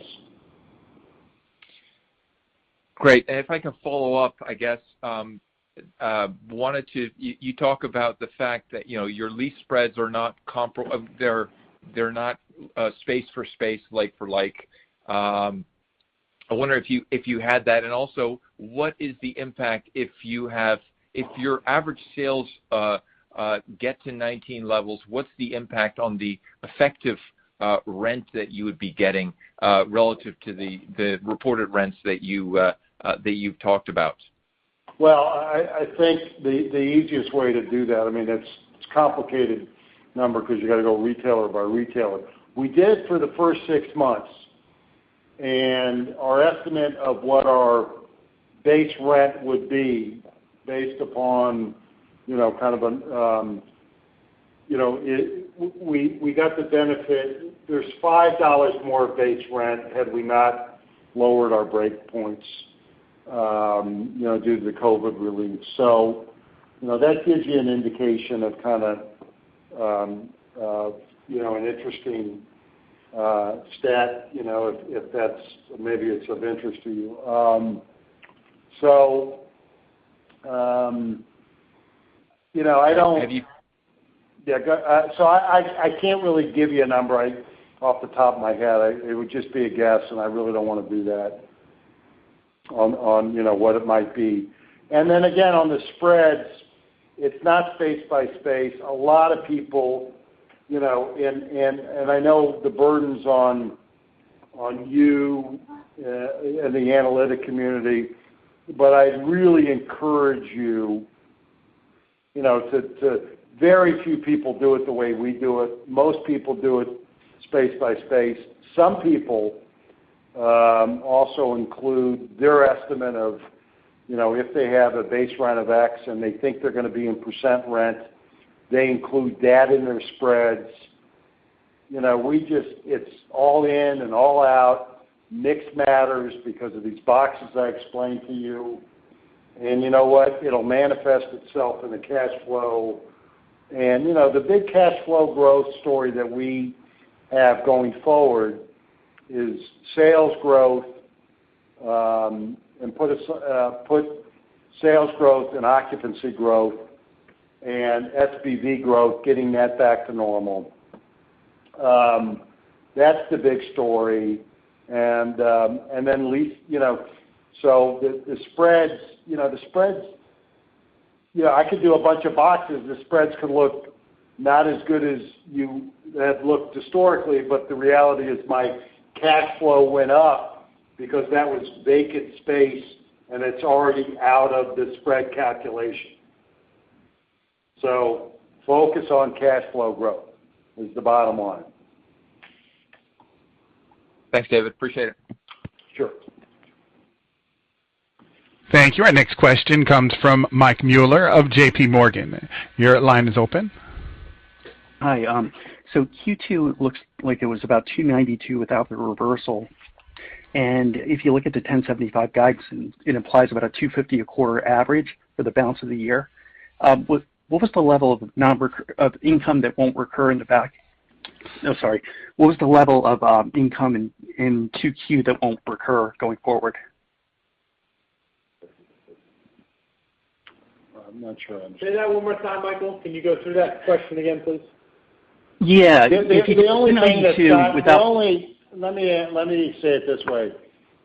Great. If I can follow up, I guess. You talk about the fact that your lease spreads are not space for space, like for like. I wonder if you had that, also, what is the impact if your average sales get to 19 levels, what's the impact on the effective rent that you would be getting relative to the reported rents that you've talked about? Well, I think the easiest way to do that, it's a complicated number because you got to go retailer by retailer. We did it for the first six months, and our estimate of what our base rent would be based upon. We got the benefit. There's $5 more of base rent had we not lowered our breakpoints, due to the COVID relief. That gives you an indication of an interesting stat, if maybe it's of interest to you. Have you- I can't really give you a number off the top of my head. It would just be a guess, and I really don't want to do that, on what it might be. Again, on the spreads, it's not space by space. A lot of people, and I know the burden's on you and the analytic community. Very few people do it the way we do it. Most people do it space by space. Some people also include their estimate of, if they have a base rent of X and they think they're going to be in percent rent, they include that in their spreads. It's all in and all out. Mix matters because of these boxes I explained to you. You know what? It'll manifest itself in the cash flow. The big cash flow growth story that we have going forward is sales growth, and occupancy growth, and SPG growth, getting that back to normal. That's the big story. The spreads, I could do a bunch of boxes. The spreads can look not as good as you have looked historically, but the reality is my cash flow went up because that was vacant space and it's already out of the spread calculation. Focus on cash flow growth, is the bottom line. Thanks, David. Appreciate it. Sure. Thank you. Our next question comes from Mike Mueller of JPMorgan. Your line is open. Hi. Q2 looks like it was about $292 without the reversal. If you look at the $1,075 guides, it implies about a $250 a quarter average for the balance of the year. What was the level of income in Q2 that won't recur going forward? I'm not sure. Say that one more time, Michael. Can you go through that question again, please? Yeah. If you could comment on Q2 without- Let me say it this way.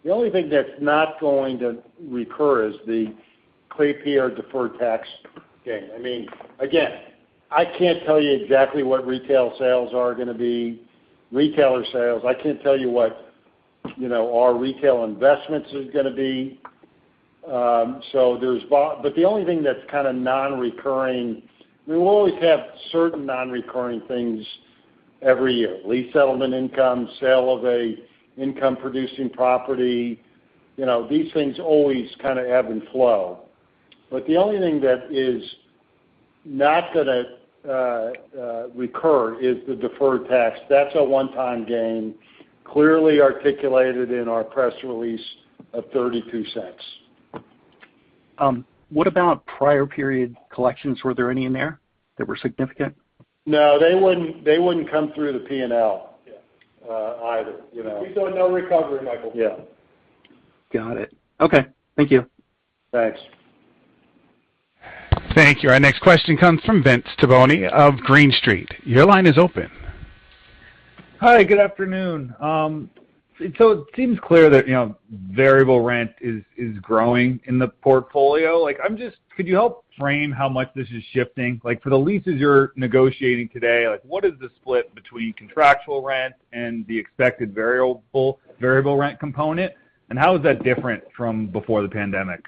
The only thing that's not going to recur is the Klépierre deferred tax gain. I can't tell you exactly what retail sales are going to be. I can't tell you what our retail investments is going to be. The only thing that's kind of non-recurring, we will always have certain non-recurring things every year. Lease settlement income, sale of a income-producing property. These things always kind of ebb and flow. The only thing that is not going to recur is the deferred tax. That's a one-time gain, clearly articulated in our press release of $0.32. What about prior period collections? Were there any in there that were significant? No, they wouldn't come through the P&L either. We saw no recovery, Michael. Yeah. Got it. Okay. Thank you. Thanks. Thank you. Our next question comes from Vince Tibone of Green Street. Your line is open. Hi, good afternoon. It seems clear that variable rent is growing in the portfolio. Could you help frame how much this is shifting? For the leases you're negotiating today, what is the split between contractual rent and the expected variable rent component? How is that different from before the pandemic?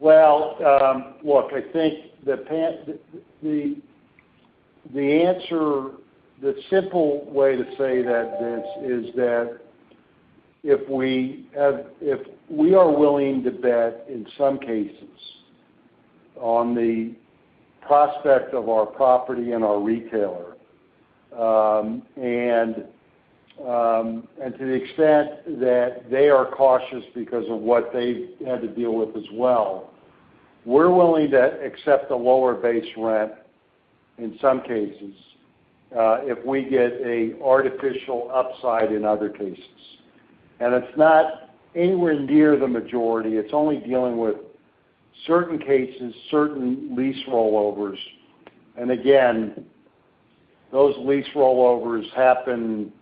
Well, look, I think the simple way to say that, Vince, is that if we are willing to bet, in some cases, on the prospect of our property and our retailer, and to the extent that they are cautious because of what they've had to deal with as well, we're willing to accept a lower base rent in some cases, if we get a artificial upside in other cases. It's not anywhere near the majority. It's only dealing with certain cases, certain lease rollovers. Again, those lease rollovers happen,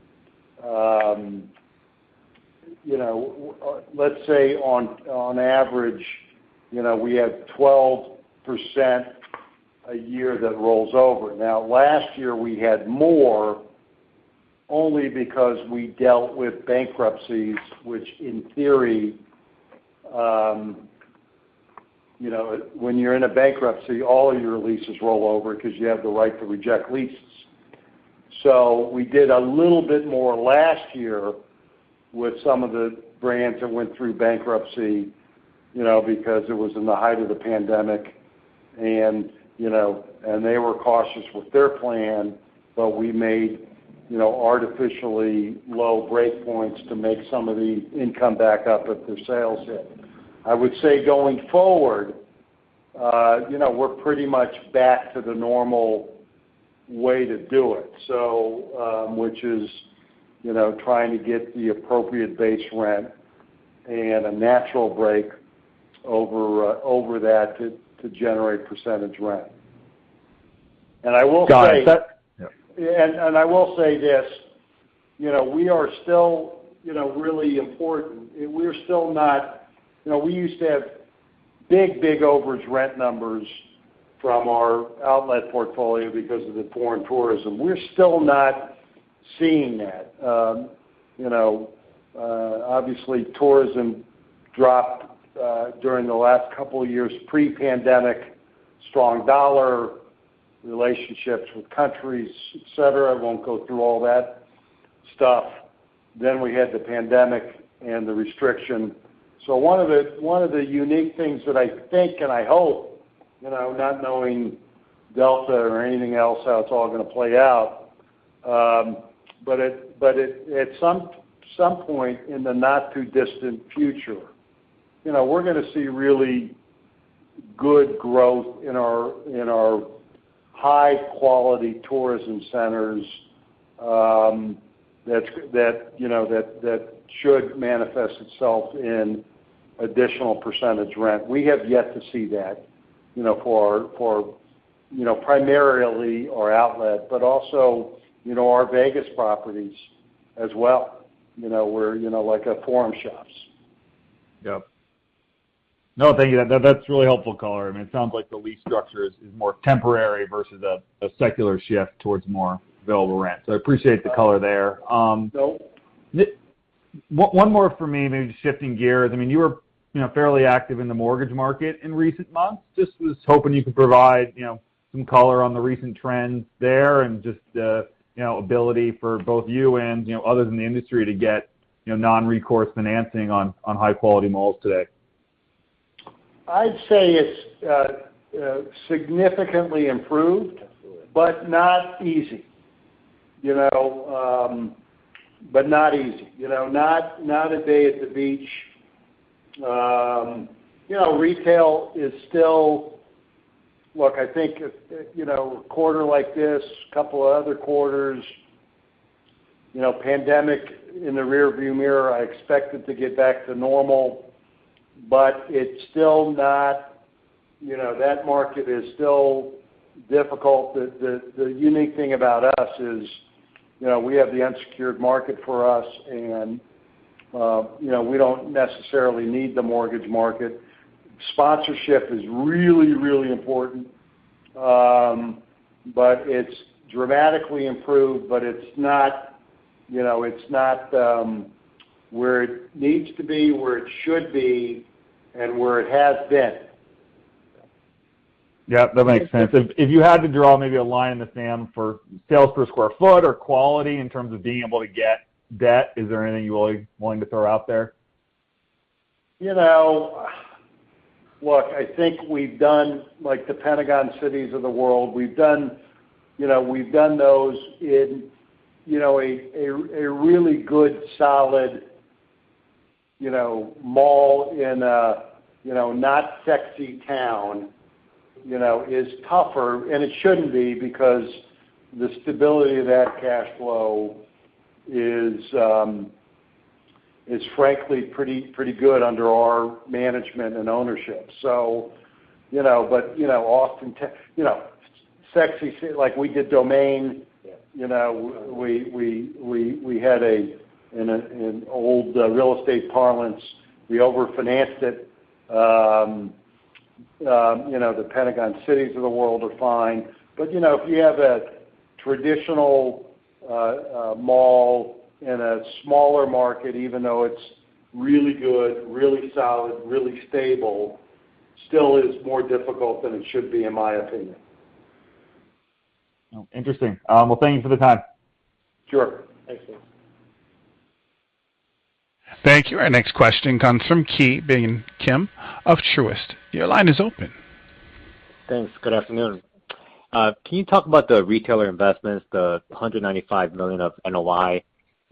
let's say on average, we have 12% a year that rolls over. Now, last year, we had more only because we dealt with bankruptcies, which in theory, when you're in a bankruptcy, all of your leases roll over because you have the right to reject leases. We did a little bit more last year with some of the brands that went through bankruptcy, because it was in the height of the pandemic, and they were cautious with their plan, but we made artificially low breakpoints to make some of the income back up if their sales hit. I would say, going forward, we're pretty much back to the normal way to do it. Which is trying to get the appropriate base rent and a natural break over that to generate percentage rent. Got it. Yeah. I will say this, we are still really important. We used to have big, big overage rent numbers from our outlet portfolio because of the foreign tourism. We're still not seeing that. Obviously, tourism dropped during the last couple of years, pre-pandemic, strong dollar, relationships with countries, et cetera. I won't go through all that stuff. We had the pandemic and the restriction. One of the unique things that I think, and I hope, not knowing Delta or anything else, how it's all going to play out, but at some point in the not too distant future, we're going to see really good growth in our high-quality tourism centers, that should manifest itself in additional percentage rent. We have yet to see that, primarily our outlet, but also our Vegas properties as well, like our Forum Shops. Yeah. No, thank you. That's really helpful color. It sounds like the lease structure is more temporary versus a secular shift towards more available rent. I appreciate the color there. So- One more from me, maybe just shifting gears. You were fairly active in the mortgage market in recent months. Just was hoping you could provide some color on the recent trends there and just the ability for both you and others in the industry to get non-recourse financing on high-quality malls today. I'd say it's significantly improved, not easy. Not a day at the beach. Retail is still, I think a quarter like this, couple of other quarters, pandemic in the rear view mirror, I expect it to get back to normal, that market is still difficult. The unique thing about us is we have the unsecured market for us, we don't necessarily need the mortgage market. Sponsorship is really important. It's dramatically improved, but it's not where it needs to be, where it should be, and where it has been. Yeah, that makes sense. If you had to draw maybe a line in the sand for sales per sq ft or quality in terms of being able to get debt, is there anything you willing to throw out there? Look, I think we've done the Pentagon Cities of the world. We've done those in a really good, solid mall in a not sexy town, is tougher, and it shouldn't be because the stability of that cash flow is frankly pretty good under our management and ownership. Often, sexy Like we did Domain. Yeah. We had an old real estate parlance, we over-financed it. The Pentagon Cities of the world are fine. If you have a traditional mall in a smaller market, even though it's really good, really solid, really stable, still is more difficult than it should be, in my opinion. Oh, interesting. Well, thank you for the time. Sure. Thanks, Vince. Thank you. Our next question comes from Ki Bin Kim of Truist. Your line is open. Thanks. Good afternoon. Can you talk about the retailer investments, the $195 million of NOI?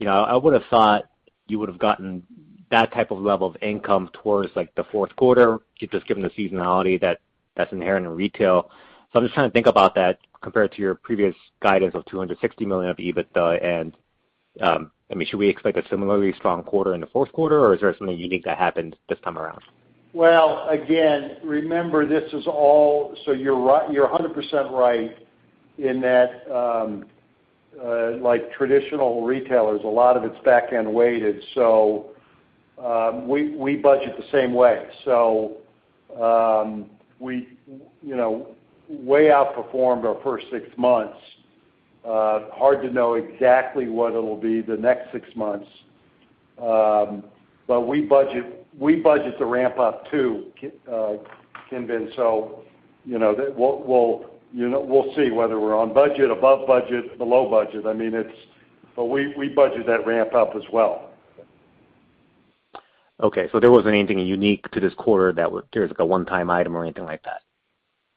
I would've thought you would've gotten that type of level of income towards the fourth quarter, just given the seasonality that's inherent in retail. I'm just trying to think about that compared to your previous guidance of $260 million of EBITDA, and should we expect a similarly strong quarter in the fourth quarter, or is there something unique that happened this time around? Well, again, remember, this is all. You're 100% right in that, like traditional retailers, a lot of it's backend weighted. We budget the same way. We way outperformed our first six months. Hard to know exactly what it'll be the next six months. We budget the ramp up too, Ki Bin Kim. We'll see whether we're on budget, above budget, below budget. We budget that ramp up as well. Okay. There wasn't anything unique to this quarter that there was like a one-time item or anything like that?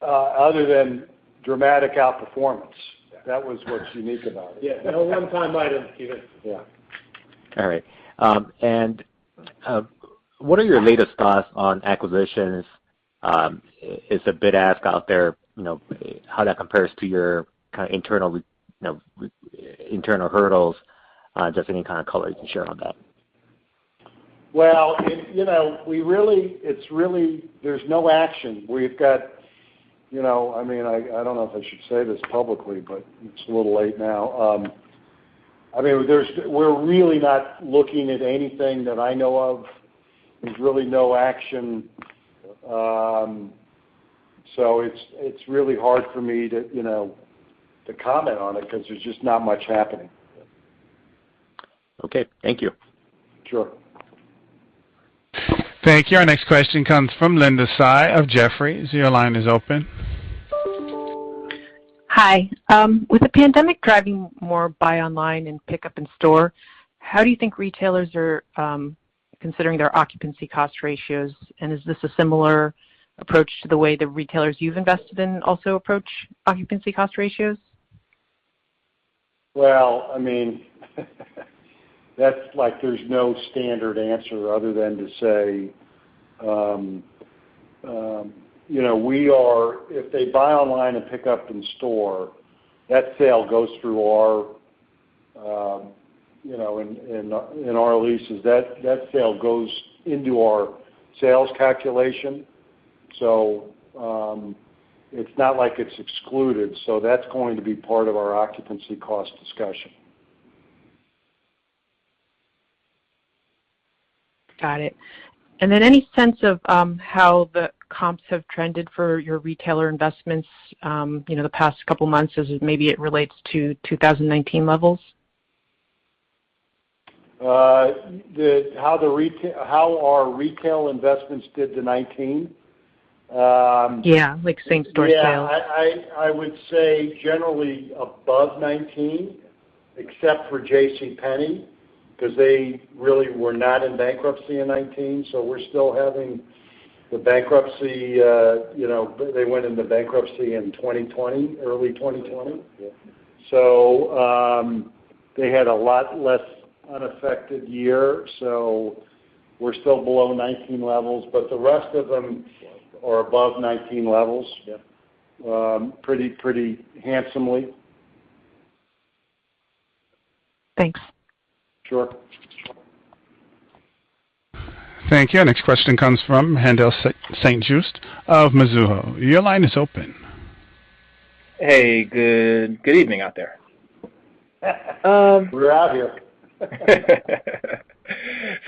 Other than dramatic outperformance. That was what's unique about it. Yeah. No one-time item, either. Yeah. All right. What are your latest thoughts on acquisitions? It's a bit ask out there, how that compares to your kind of internal hurdles, just any kind of color you can share on that. Well, there's no action. I don't know if I should say this publicly, but it's a little late now. We're really not looking at anything that I know of. There's really no action. It's really hard for me to comment on it because there's just not much happening. Okay. Thank you. Sure. Thank you. Our next question comes from Linda Tsai of Jefferies. Your line is open. Hi. With the pandemic driving more buy online and pickup in store, how do you think retailers are considering their occupancy cost ratios, and is this a similar approach to the way the retailers you've invested in also approach occupancy cost ratios? Well, that's like there's no standard answer other than to say, if they buy online and pick up in store, that sale goes through in our leases. That sale goes into our sales calculation. It's not like it's excluded. That's going to be part of our occupancy cost discussion. Got it. Any sense of how the comps have trended for your retailer investments the past couple of months as maybe it relates to 2019 levels? How our retail investments did to 2019? Yeah, like same-store sales. Yeah. I would say generally above 2019, except for JCPenney, because they really were not in bankruptcy in 2019, so we're still having the bankruptcy. They went into bankruptcy in early 2020. Yeah. They had a lot less unaffected year, so we're still below 2019 levels, but the rest of them are above 2019 levels- Yeah -pretty handsomely. Thanks. Sure. Thank you. Next question comes from Haendel St. Juste of Mizuho. Your line is open. Hey, good evening out there. We're out here.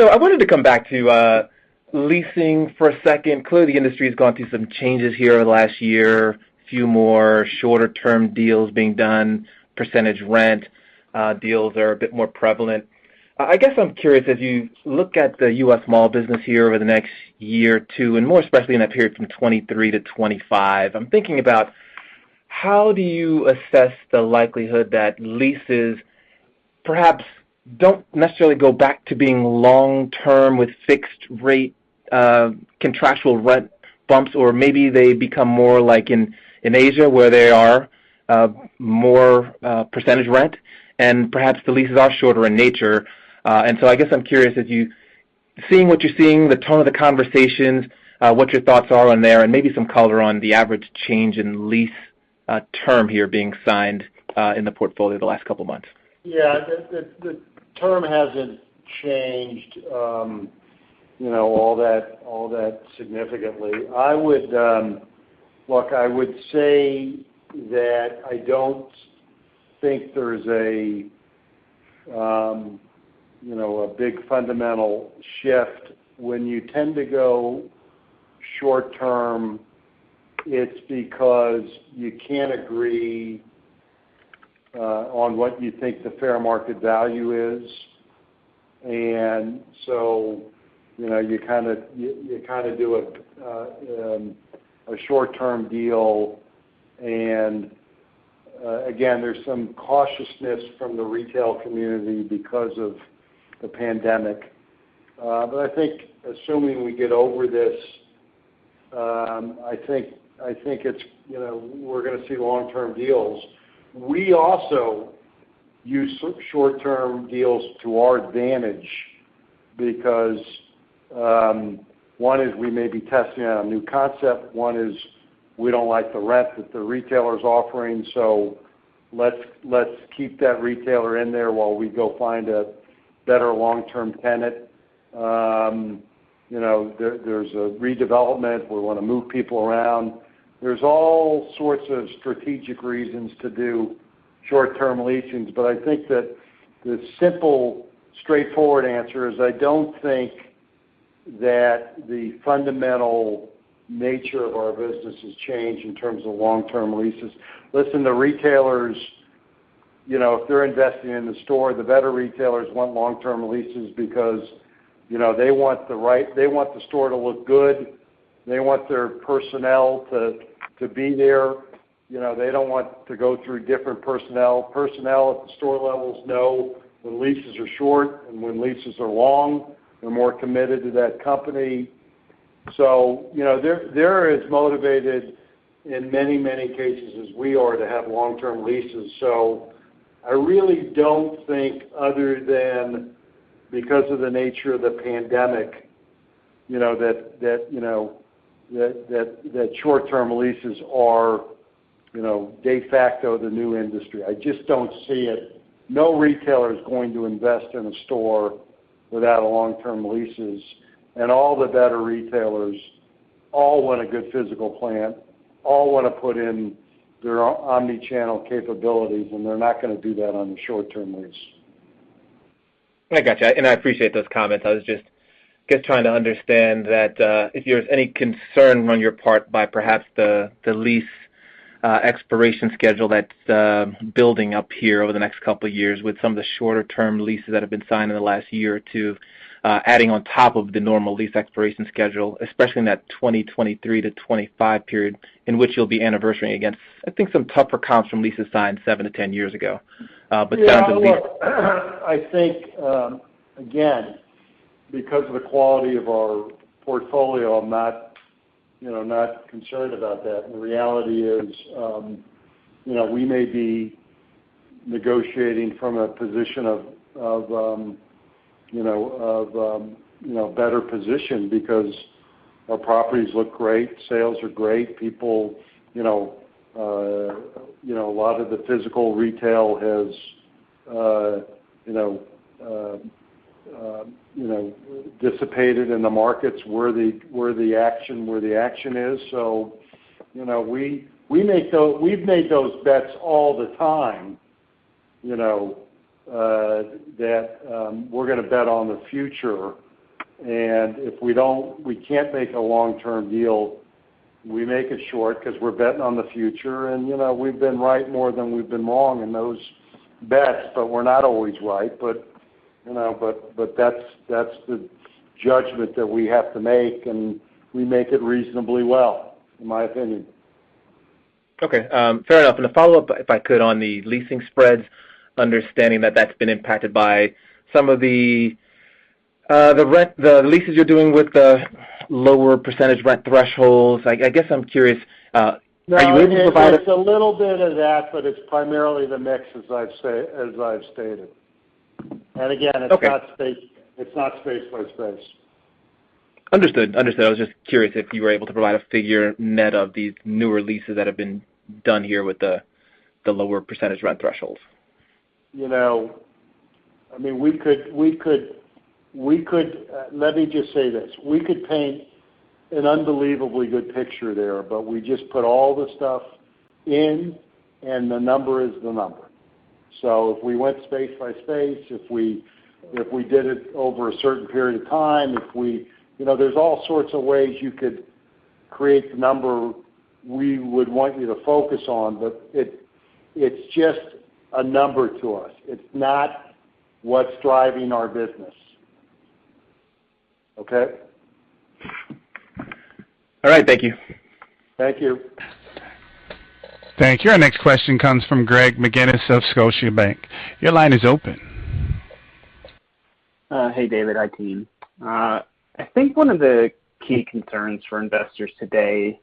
I wanted to come back to leasing for a second. Clearly, the industry's gone through some changes here last year, a few more shorter-term deals being done, percentage rent deals are a bit more prevalent. I guess I'm curious, as you look at the U.S. mall business here over the next year or two, and more especially in that period from 2023 to 2025, I'm thinking about how do you assess the likelihood that leases perhaps don't necessarily go back to being long-term with fixed rate contractual rent bumps, or maybe they become more like in Asia, where they are more percentage rent, and perhaps the leases are shorter in nature. I guess I'm curious, seeing what you're seeing, the tone of the conversations, what your thoughts are on there, and maybe some color on the average change in lease term here being signed in the portfolio the last couple of months? Yeah. The term hasn't changed all that significantly. Look, I would say that I don't think there's a big fundamental shift. When you tend to go short-term, it's because you can't agree on what you think the fair market value is. You kind of do a short-term deal, and again, there's some cautiousness from the retail community because of the pandemic. I think assuming we get over this, I think we're going to see long-term deals. We also use short-term deals to our advantage because one is we may be testing out a new concept, one is we don't like the rent that the retailer's offering, so let's keep that retailer in there while we go find a better long-term tenant. There's a redevelopment. We want to move people around. There's all sorts of strategic reasons to do short-term leasings. I think that the simple, straightforward answer is, I don't think that the fundamental nature of our business has changed in terms of long-term leases. Listen, the retailers, if they're investing in the store, the better retailers want long-term leases because they want the store to look good. They want their personnel to be there. They don't want to go through different personnel. Personnel at the store levels know when leases are short and when leases are long. They're more committed to that company. They're as motivated in many, many cases as we are to have long-term leases. I really don't think other than because of the nature of the pandemic, that short-term leases are de facto the new industry. I just don't see it. No retailer is going to invest in a store without long-term leases, and all the better retailers all want a good physical plan, all want to put in their omni-channel capabilities, and they're not going to do that on a short-term lease. I got you. I appreciate those comments. I was just trying to understand if there's any concern on your part by perhaps the lease expiration schedule that's building up here over the next two years with some of the shorter-term leases that have been signed in the last one or two years, adding on top of the normal lease expiration schedule, especially in that 2023-2025 period in which you'll be anniversarying against, I think, some tougher comps from leases signed 7-10 years ago. Look. I think, again, because of the quality of our portfolio, I'm not concerned about that. The reality is, we may be negotiating from a position of better position because our properties look great. Sales are great. A lot of the physical retail has dissipated in the markets where the action is. We've made those bets all the time, that we're going to bet on the future, and if we can't make a long-term deal, we make it short because we're betting on the future, and we've been right more than we've been wrong in those bets, but we're not always right. That's the judgment that we have to make, and we make it reasonably well, in my opinion. Okay. Fair enough. A follow-up, if I could, on the leasing spreads, understanding that that's been impacted by some of the leases you're doing with the lower percentage rent thresholds. I guess I'm curious. No. Are you able to provide us- It's a little bit of that, but it's primarily the mix, as I've stated. Okay It's not space by space. Understood. I was just curious if you were able to provide a figure net of these newer leases that have been done here with the lower percentage rent thresholds. Let me just say this. We could paint an unbelievably good picture there. We just put all the stuff in. The number is the number. If we went space by space, if we did it over a certain period of time. There's all sorts of ways you could create the number we would want you to focus on. It's just a number to us. It's not what's driving our business. Okay? All right. Thank you. Thank you. Thank you. Our next question comes from Greg McGinniss of Scotiabank. Your line is open. Hey, David, hi, team. I think one of the key concerns for investors today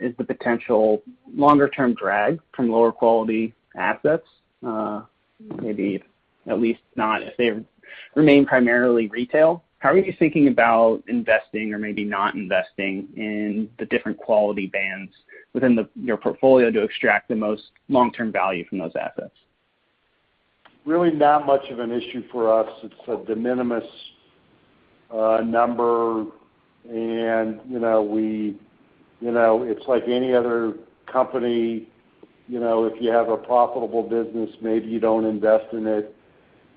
is the potential longer-term drag from lower quality assets. Maybe at least not if they remain primarily retail. How are you thinking about investing or maybe not investing in the different quality bands within your portfolio to extract the most long-term value from those assets? Really not much of an issue for us. It's a de minimis number, and it's like any other company. If you have a profitable business, maybe you don't invest in it.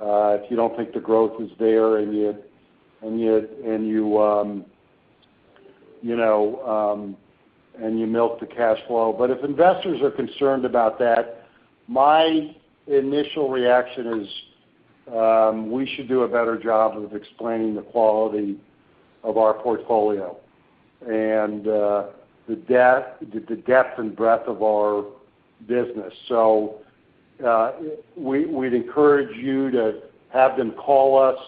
If you don't think the growth is there, and you milk the cash flow. If investors are concerned about that, my initial reaction is, we should do a better job of explaining the quality of our portfolio and the depth and breadth of our business. We'd encourage you to have them call us.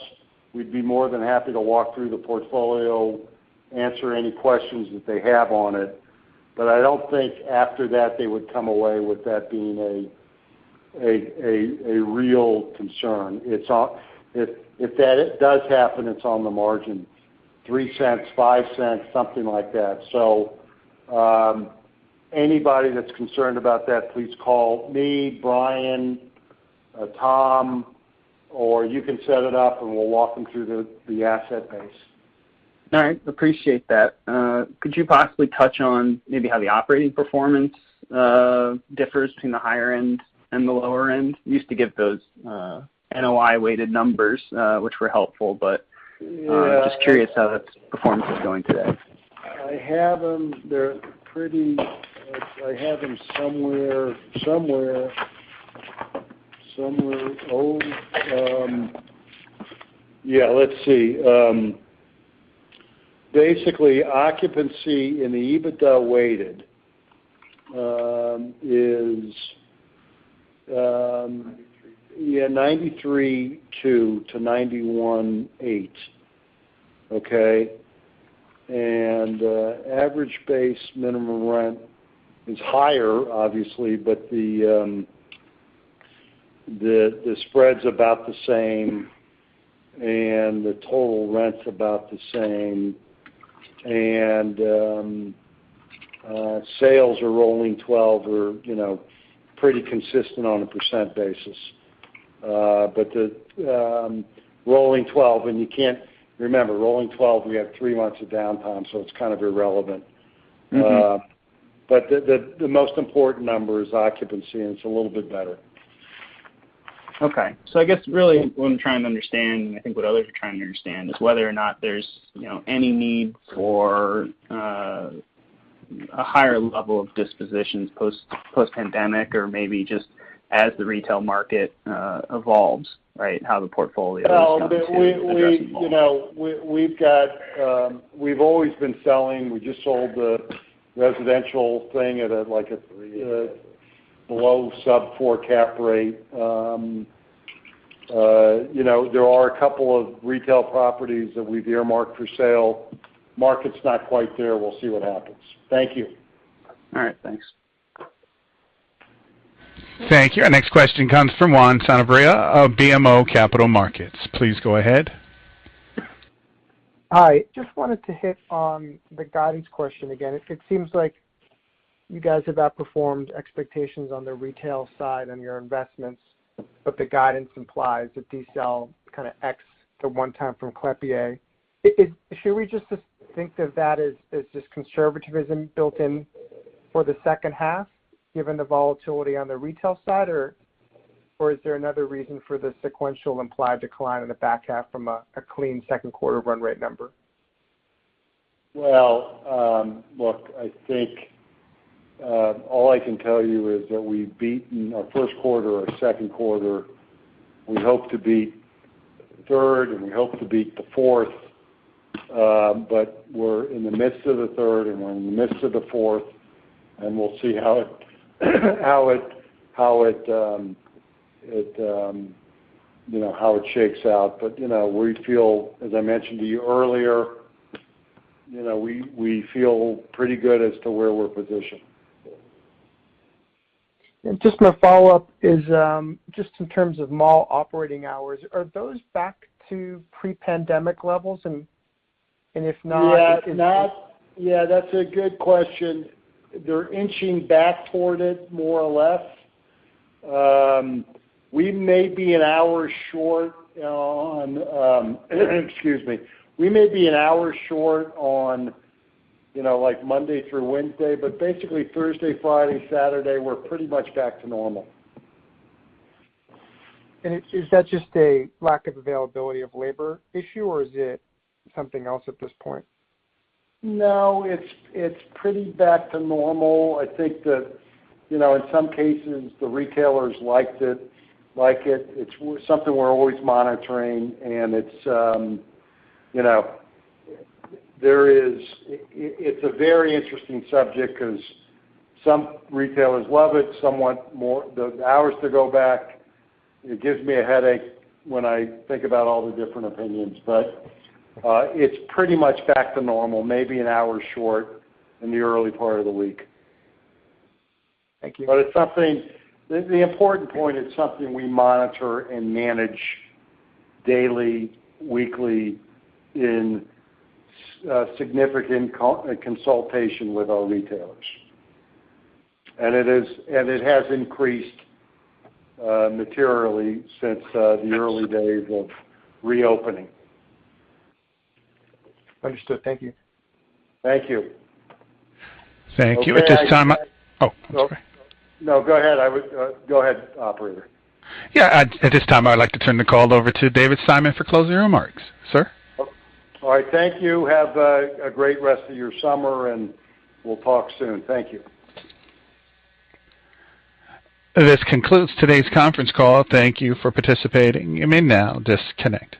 We'd be more than happy to walk through the portfolio, answer any questions that they have on it. I don't think after that they would come away with that being a real concern. If that does happen, it's on the margin, $0.03, $0.05, something like that. Anybody that's concerned about that, please call me, Brian, Tom, or you can set it up and we'll walk them through the asset base. All right. Appreciate that. Could you possibly touch on maybe how the operating performance differs between the higher end and the lower end? You used to give those NOI-weighted numbers, which were helpful. Yeah I'm just curious how that performance is going today. I have them somewhere. Somewhere. Old. Yeah, let's see. Basically, occupancy in the EBITDA weighted is- 93 93.2 to 91.8. Okay. Average base minimum rent is higher, obviously, but the spread's about the same, and the total rent's about the same. Sales or rolling 12 are pretty consistent on a percent basis. The rolling 12, and you can't remember, rolling 12, we have three months of downtime, so it's kind of irrelevant. The most important number is occupancy, and it's a little bit better. Okay. I guess really what I'm trying to understand, and I think what others are trying to understand, is whether or not there's any need for a higher level of dispositions post pandemic or maybe just as the retail market evolves, right, how the portfolio is going to address evolving. We've always been selling. We just sold the residential thing at- Three -below sub-4 cap rate. There are a couple of retail properties that we've earmarked for sale. Market's not quite there. We'll see what happens. Thank you. All right. Thanks. Thank you. Our next question comes from Juan Sanabria of BMO Capital Markets. Please go ahead. Hi. Just wanted to hit on the guidance question again. It seems like you guys have outperformed expectations on the retail side on your investments, but the guidance implies a decel kind of ex-one-time from Klépierre. Should we just think of that as just conservativism built in for the second half, given the volatility on the retail side, or is there another reason for the sequential implied decline in the back half from a clean second quarter run rate number? Well, look, I think all I can tell you is that we've beaten our first quarter, our second quarter. We hope to beat third, and we hope to beat the fourth. We're in the midst of the third, and we're in the midst of the fourth, and we'll see how it shakes out. We feel, as I mentioned to you earlier, we feel pretty good as to where we're positioned. Just my follow-up is, just in terms of mall operating hours, are those back to pre-pandemic levels? If not- Yeah, that's a good question. They're inching back toward it, more or less. Excuse me. We may be an hour short on Monday through Wednesday, but basically Thursday, Friday, Saturday, we're pretty much back to normal. Is that just a lack of availability of labor issue, or is it something else at this point? It's pretty back to normal. I think that in some cases, the retailers like it. It's something we're always monitoring, and it's a very interesting subject because some retailers love it, some want the hours to go back. It gives me a headache when I think about all the different opinions. It's pretty much back to normal, maybe an hour short in the early part of the week. Thank you. The important point, it's something we monitor and manage daily, weekly in significant consultation with our retailers. It has increased materially since the early days of reopening. Understood. Thank you. Thank you. Thank you. At this time. Oh, I'm sorry. No, go ahead. Go ahead, Operator. Yeah, at this time, I would like to turn the call over to David Simon for closing remarks. Sir? All right. Thank you. Have a great rest of your summer, and we'll talk soon. Thank you. This concludes today's conference call. Thank you for participating. You may now disconnect.